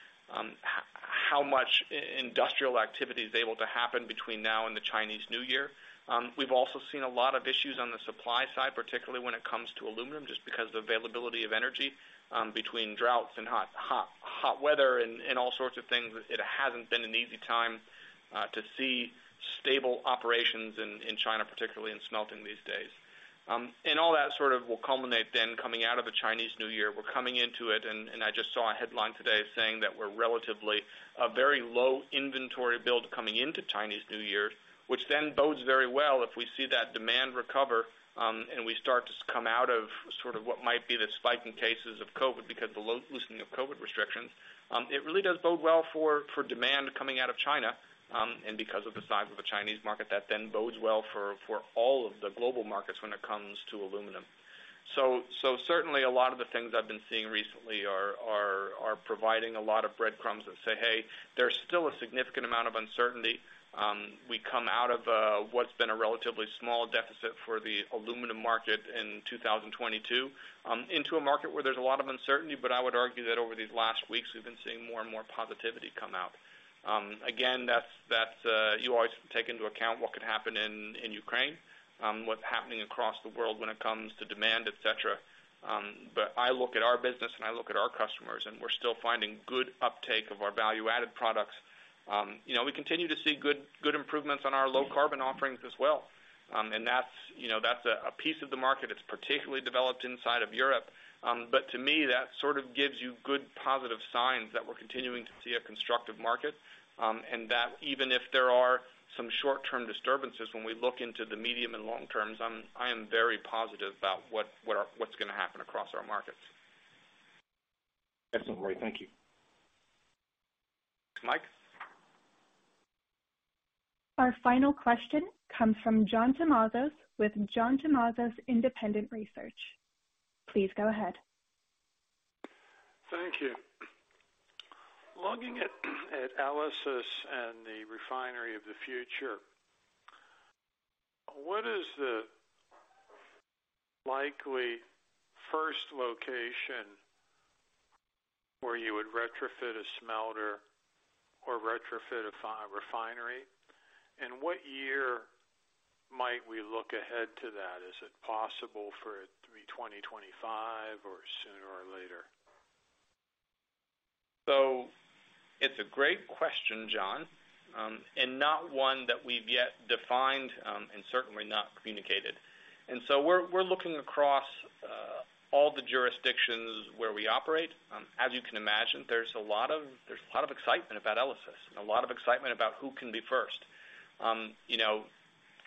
industrial activity is able to happen between now and the Chinese New Year. We've also seen a lot of issues on the supply side, particularly when it comes to aluminum, just because the availability of energy, between droughts and hot, hot weather and all sorts of things. It hasn't been an easy time, to see stable operations in China, particularly in smelting these days. All that sort of will culminate then coming out of the Chinese New Year. We're coming into it, and I just saw a headline today saying that we're relatively a very low inventory build coming into Chinese New Year, which then bodes very well if we see that demand recover, and we start to come out of sort of what might be the spike in cases of COVID because the loosening of COVID restrictions. It really does bode well for demand coming out of China, and because of the size of the Chinese market, that then bodes well for all of the global markets when it comes to aluminum. Certainly a lot of the things I've been seeing recently are providing a lot of breadcrumbs that say, "Hey, there's still a significant amount of uncertainty." We come out of what's been a relatively small deficit for the aluminum market in 2022, into a market where there's a lot of uncertainty. I would argue that over these last weeks, we've been seeing more and more positivity come out. Again, that's you always take into account what could happen in Ukraine, what's happening across the world when it comes to demand, et cetera. I look at our business, and I look at our customers, and we're still finding good uptake of our value-added products. You know, we continue to see good improvements on our low-carbon offerings as well. That's, you know, that's a piece of the market that's particularly developed inside of Europe. To me, that sort of gives you good, positive signs that we're continuing to see a constructive market, that even if there are some short-term disturbances, when we look into the medium and long terms, I am very positive about what's gonna happen across our markets. Excellent, Roy. Thank you. Mike? Our final question comes from John Tumazos with John Tumazos Independent Research. Please go ahead. Thank you. Looking at ELYSIS and the Refinery of the Future, what is the likely first location where you would retrofit a smelter or retrofit a refinery? What year might we look ahead to that? Is it possible for 2025 or sooner or later? It's a great question, John, and not one that we've yet defined and certainly not communicated. We're looking across all the jurisdictions where we operate. As you can imagine, there's a lot of excitement about ELYSIS and a lot of excitement about who can be first. You know,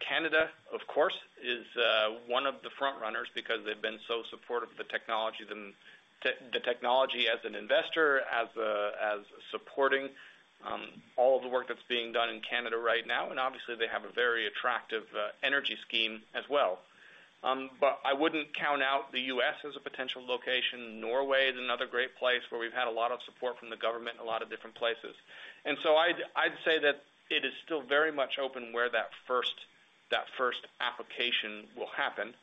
Canada, of course, is one of the front runners because they've been so supportive of the technology as an investor, as supporting all of the work that's being done in Canada right now. Obviously they have a very attractive energy scheme as well. I wouldn't count out the U.S. as a potential location. Norway is another great place where we've had a lot of support from the government in a lot of different places. I'd say that it is still very much open where that first application will happen.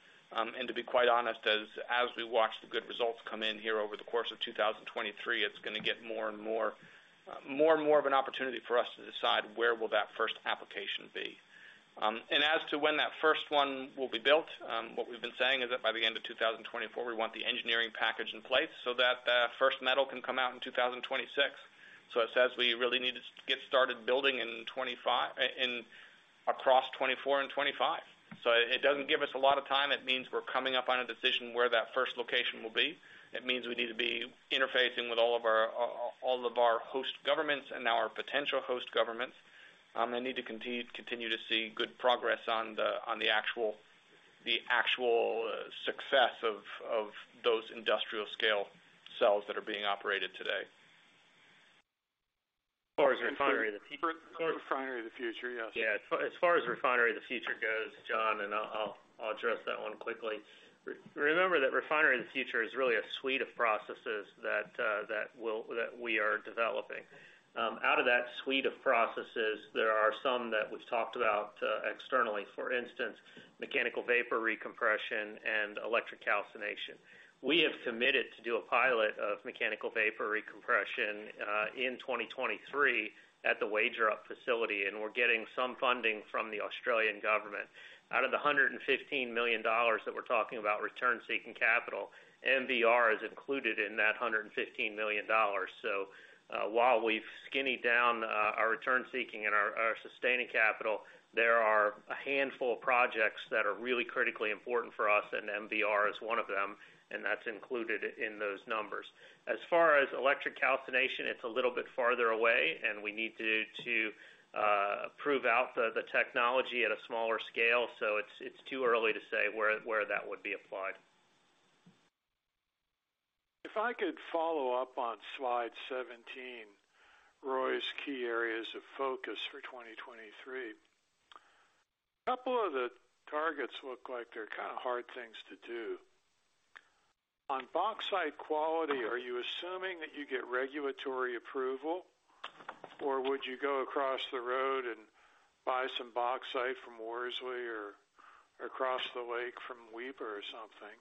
To be quite honest, as we watch the good results come in here over the course of 2023, it's gonna get more and more of an opportunity for us to decide where will that first application be. As to when that first one will be built, what we've been saying is that by the end of 2024, we want the engineering package in place so that the first metal can come out in 2026. It says we really need to get started building in 2025, across 2024 and 2025. It doesn't give us a lot of time. It means we're coming up on a decision where that first location will be. It means we need to be interfacing with all of our host governments and now our potential host governments. They need to continue to see good progress on the actual success of those industrial scale cells that are being operated today. As far as Refinery of the. Refinery of the Future. Yes. Yeah. As far as Refinery of the Future goes, John, I'll address that one quickly. Remember that Refinery of the Future is really a suite of processes that we are developing. Out of that suite of processes, there are some that we've talked about externally. For instance, mechanical vapor recompression and electric calcination. We have committed to do a pilot of mechanical vapor recompression in 2023 at the Wagerup facility, and we're getting some funding from the Australian government. Out of the $115 million that we're talking about return-seeking capital, MVR is included in that $115 million. While we've skinnied down our return-seeking and our sustaining capital, there are a handful of projects that are really critically important for us, and MVR is one of them, and that's included in those numbers. As far as electric calcination, it's a little bit farther away, and we need to prove out the technology at a smaller scale. It's too early to say where that would be applied. If I could follow up on Slide 17, Roy's key areas of focus for 2023. A couple of the targets look like they're kind of hard things to do. On bauxite quality, are you assuming that you get regulatory approval, or would you go across the road and buy some bauxite from Worsley or across the lake from Weaver or something?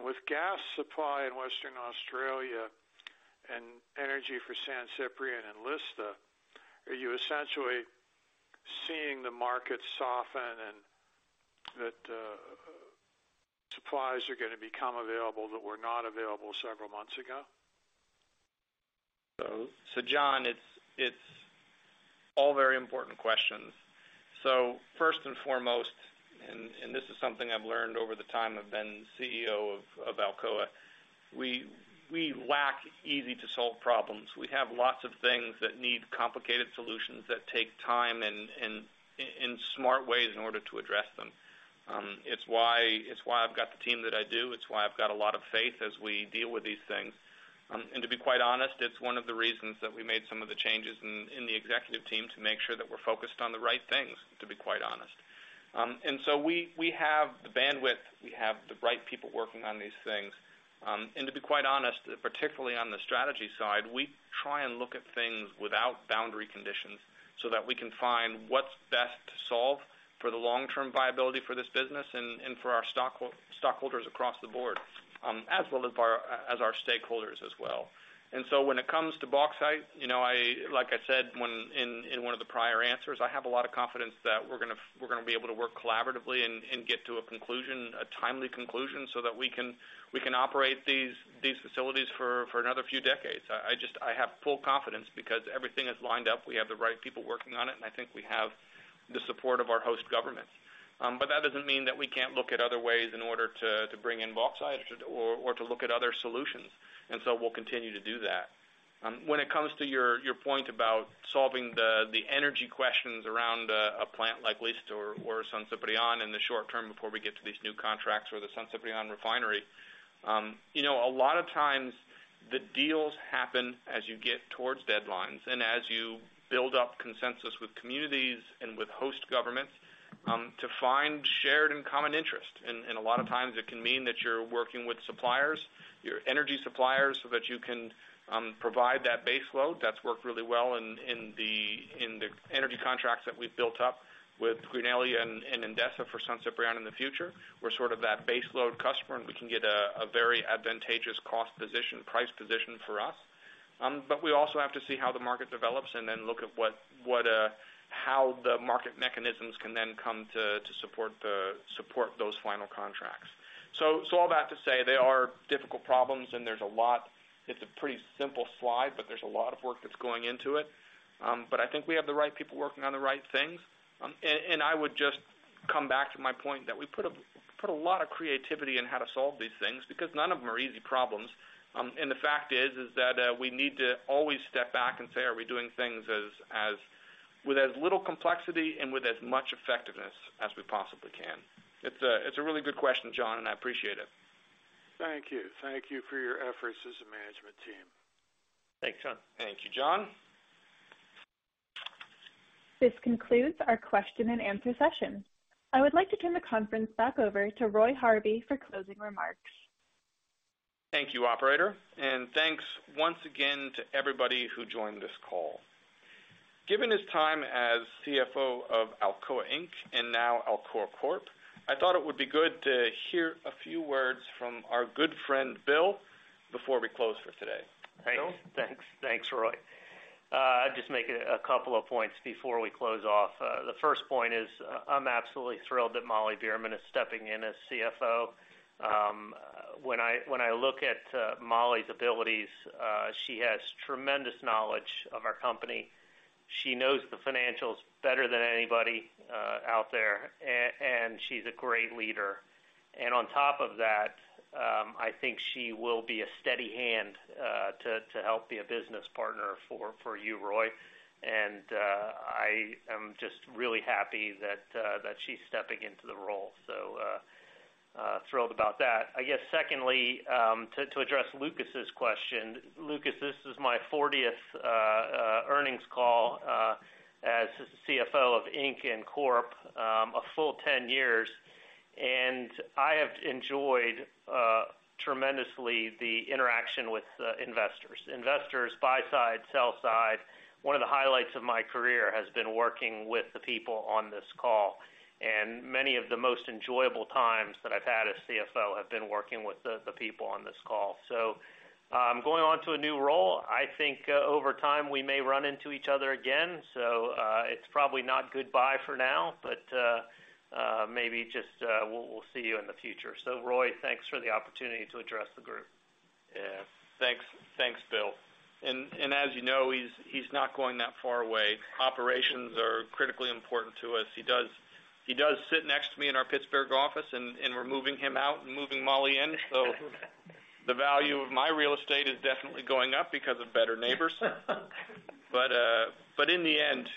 With gas supply in Western Australia and energy for San Ciprián and Lista, are you essentially seeing the market soften and that supplies are gonna become available that were not available several months ago? John, it's all very important questions. First and foremost, this is something I've learned over the time I've been CEO of Alcoa. We lack easy to solve problems. We have lots of things that need complicated solutions that take time and in smart ways in order to address them. It's why I've got the team that I do. It's why I've got a lot of faith as we deal with these things. To be quite honest, it's one of the reasons that we made some of the changes in the executive team to make sure that we're focused on the right things, to be quite honest. We have the bandwidth, we have the right people working on these things. To be quite honest, particularly on the strategy side, we try and look at things without boundary conditions so that we can find what's best to solve for the long-term viability for this business and for our stockholders across the board, as well as our stakeholders as well. When it comes to bauxite, you know, like I said, when in one of the prior answers, I have a lot of confidence that we're gonna be able to work collaboratively and get to a conclusion, a timely conclusion, so that we can operate these facilities for another few decades. I just have full confidence because everything is lined up. We have the right people working on it, and I think we have the support of our host government. That doesn't mean that we can't look at other ways in order to bring in bauxite or to look at other solutions. We'll continue to do that. When it comes to your point about solving the energy questions around a plant like Lista or San Ciprián in the short term before we get to these new contracts or the San Ciprián refinery. You know, a lot of times the deals happen as you get towards deadlines and as you build up consensus with communities and with host governments to find shared and common interest. A lot of times it can mean that you're working with suppliers, your energy suppliers, so that you can provide that base load. That's worked really well in the energy contracts that we've built up with Greenalia and Endesa for San Ciprián in the future. We're sort of that base load customer, and we can get a very advantageous cost position, price position for us. We also have to see how the market develops and then look at how the market mechanisms can then come to support those final contracts. All that to say they are difficult problems and there's a lot. It's a pretty simple slide, but there's a lot of work that's going into it. I think we have the right people working on the right things. I would just come back to my point that we put a lot of creativity in how to solve these things because none of them are easy problems. The fact is that we need to always step back and say, are we doing things as with as little complexity and with as much effectiveness as we possibly can? It's a really good question, John, and I appreciate it. Thank you. Thank you for your efforts as a management team. Thanks, John. Thank you, John. This concludes our question and answer session. I would like to turn the conference back over to Roy Harvey for closing remarks. Thank you, operator. Thanks once again to everybody who joined this call. Given his time as CFO of Alcoa Inc. and now Alcoa Corporation, I thought it would be good to hear a few words from our good friend, Bill, before we close for today. Bill? Thanks. Thanks, Roy. I'd just make a couple of points before we close off. The first point is I'm absolutely thrilled that Molly Beerman is stepping in as CFO. When I look at Molly's abilities, she has tremendous knowledge of our company. She knows the financials better than anybody out there, and she's a great leader. On top of that, I think she will be a steady hand to help be a business partner for you, Roy. I am just really happy that she's stepping into the role. Thrilled about that. I guess secondly, to address Lucas's question. Lucas, this is my 40th earnings call as CFO of Inc. and Corp., a full 10 years. I have enjoyed tremendously the interaction with investors. Investors, buy side, sell side. One of the highlights of my career has been working with the people on this call, and many of the most enjoyable times that I've had as CFO have been working with the people on this call. Going on to a new role, I think over time, we may run into each other again. It's probably not goodbye for now, but maybe just we'll see you in the future. Roy, thanks for the opportunity to address the group. Yeah. Thanks. Thanks, Bill. As you know, he's not going that far away. Operations are critically important to us. He does sit next to me in our Pittsburgh office, and we're moving him out and moving Molly in. The value of my real estate is definitely going up because of better neighbors. In the end,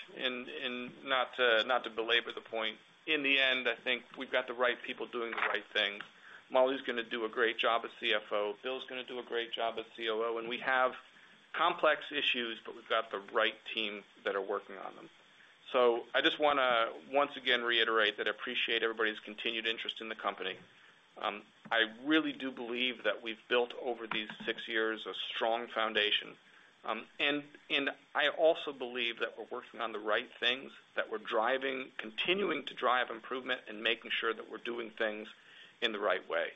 not to belabor the point, in the end, I think we've got the right people doing the right things. Molly's gonna do a great job as CFO. Bill's gonna do a great job as COO. We have complex issues, but we've got the right team that are working on them. I just wanna once again reiterate that I appreciate everybody's continued interest in the company. I really do believe that we've built, over these six years, a strong foundation. I also believe that we're working on the right things, that we're driving, continuing to drive improvement and making sure that we're doing things in the right way.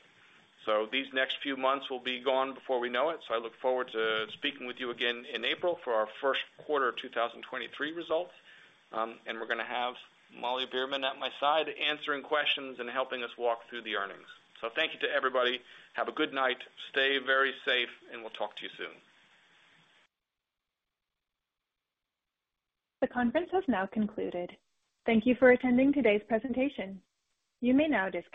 These next few months will be gone before we know it. I look forward to speaking with you again in April for our first quarter of 2023 results. We're gonna have Molly Beerman at my side answering questions and helping us walk through the earnings. Thank you to everybody. Have a good night. Stay very safe, and we'll talk to you soon. The conference has now concluded. Thank you for attending today's presentation. You may now disconnect.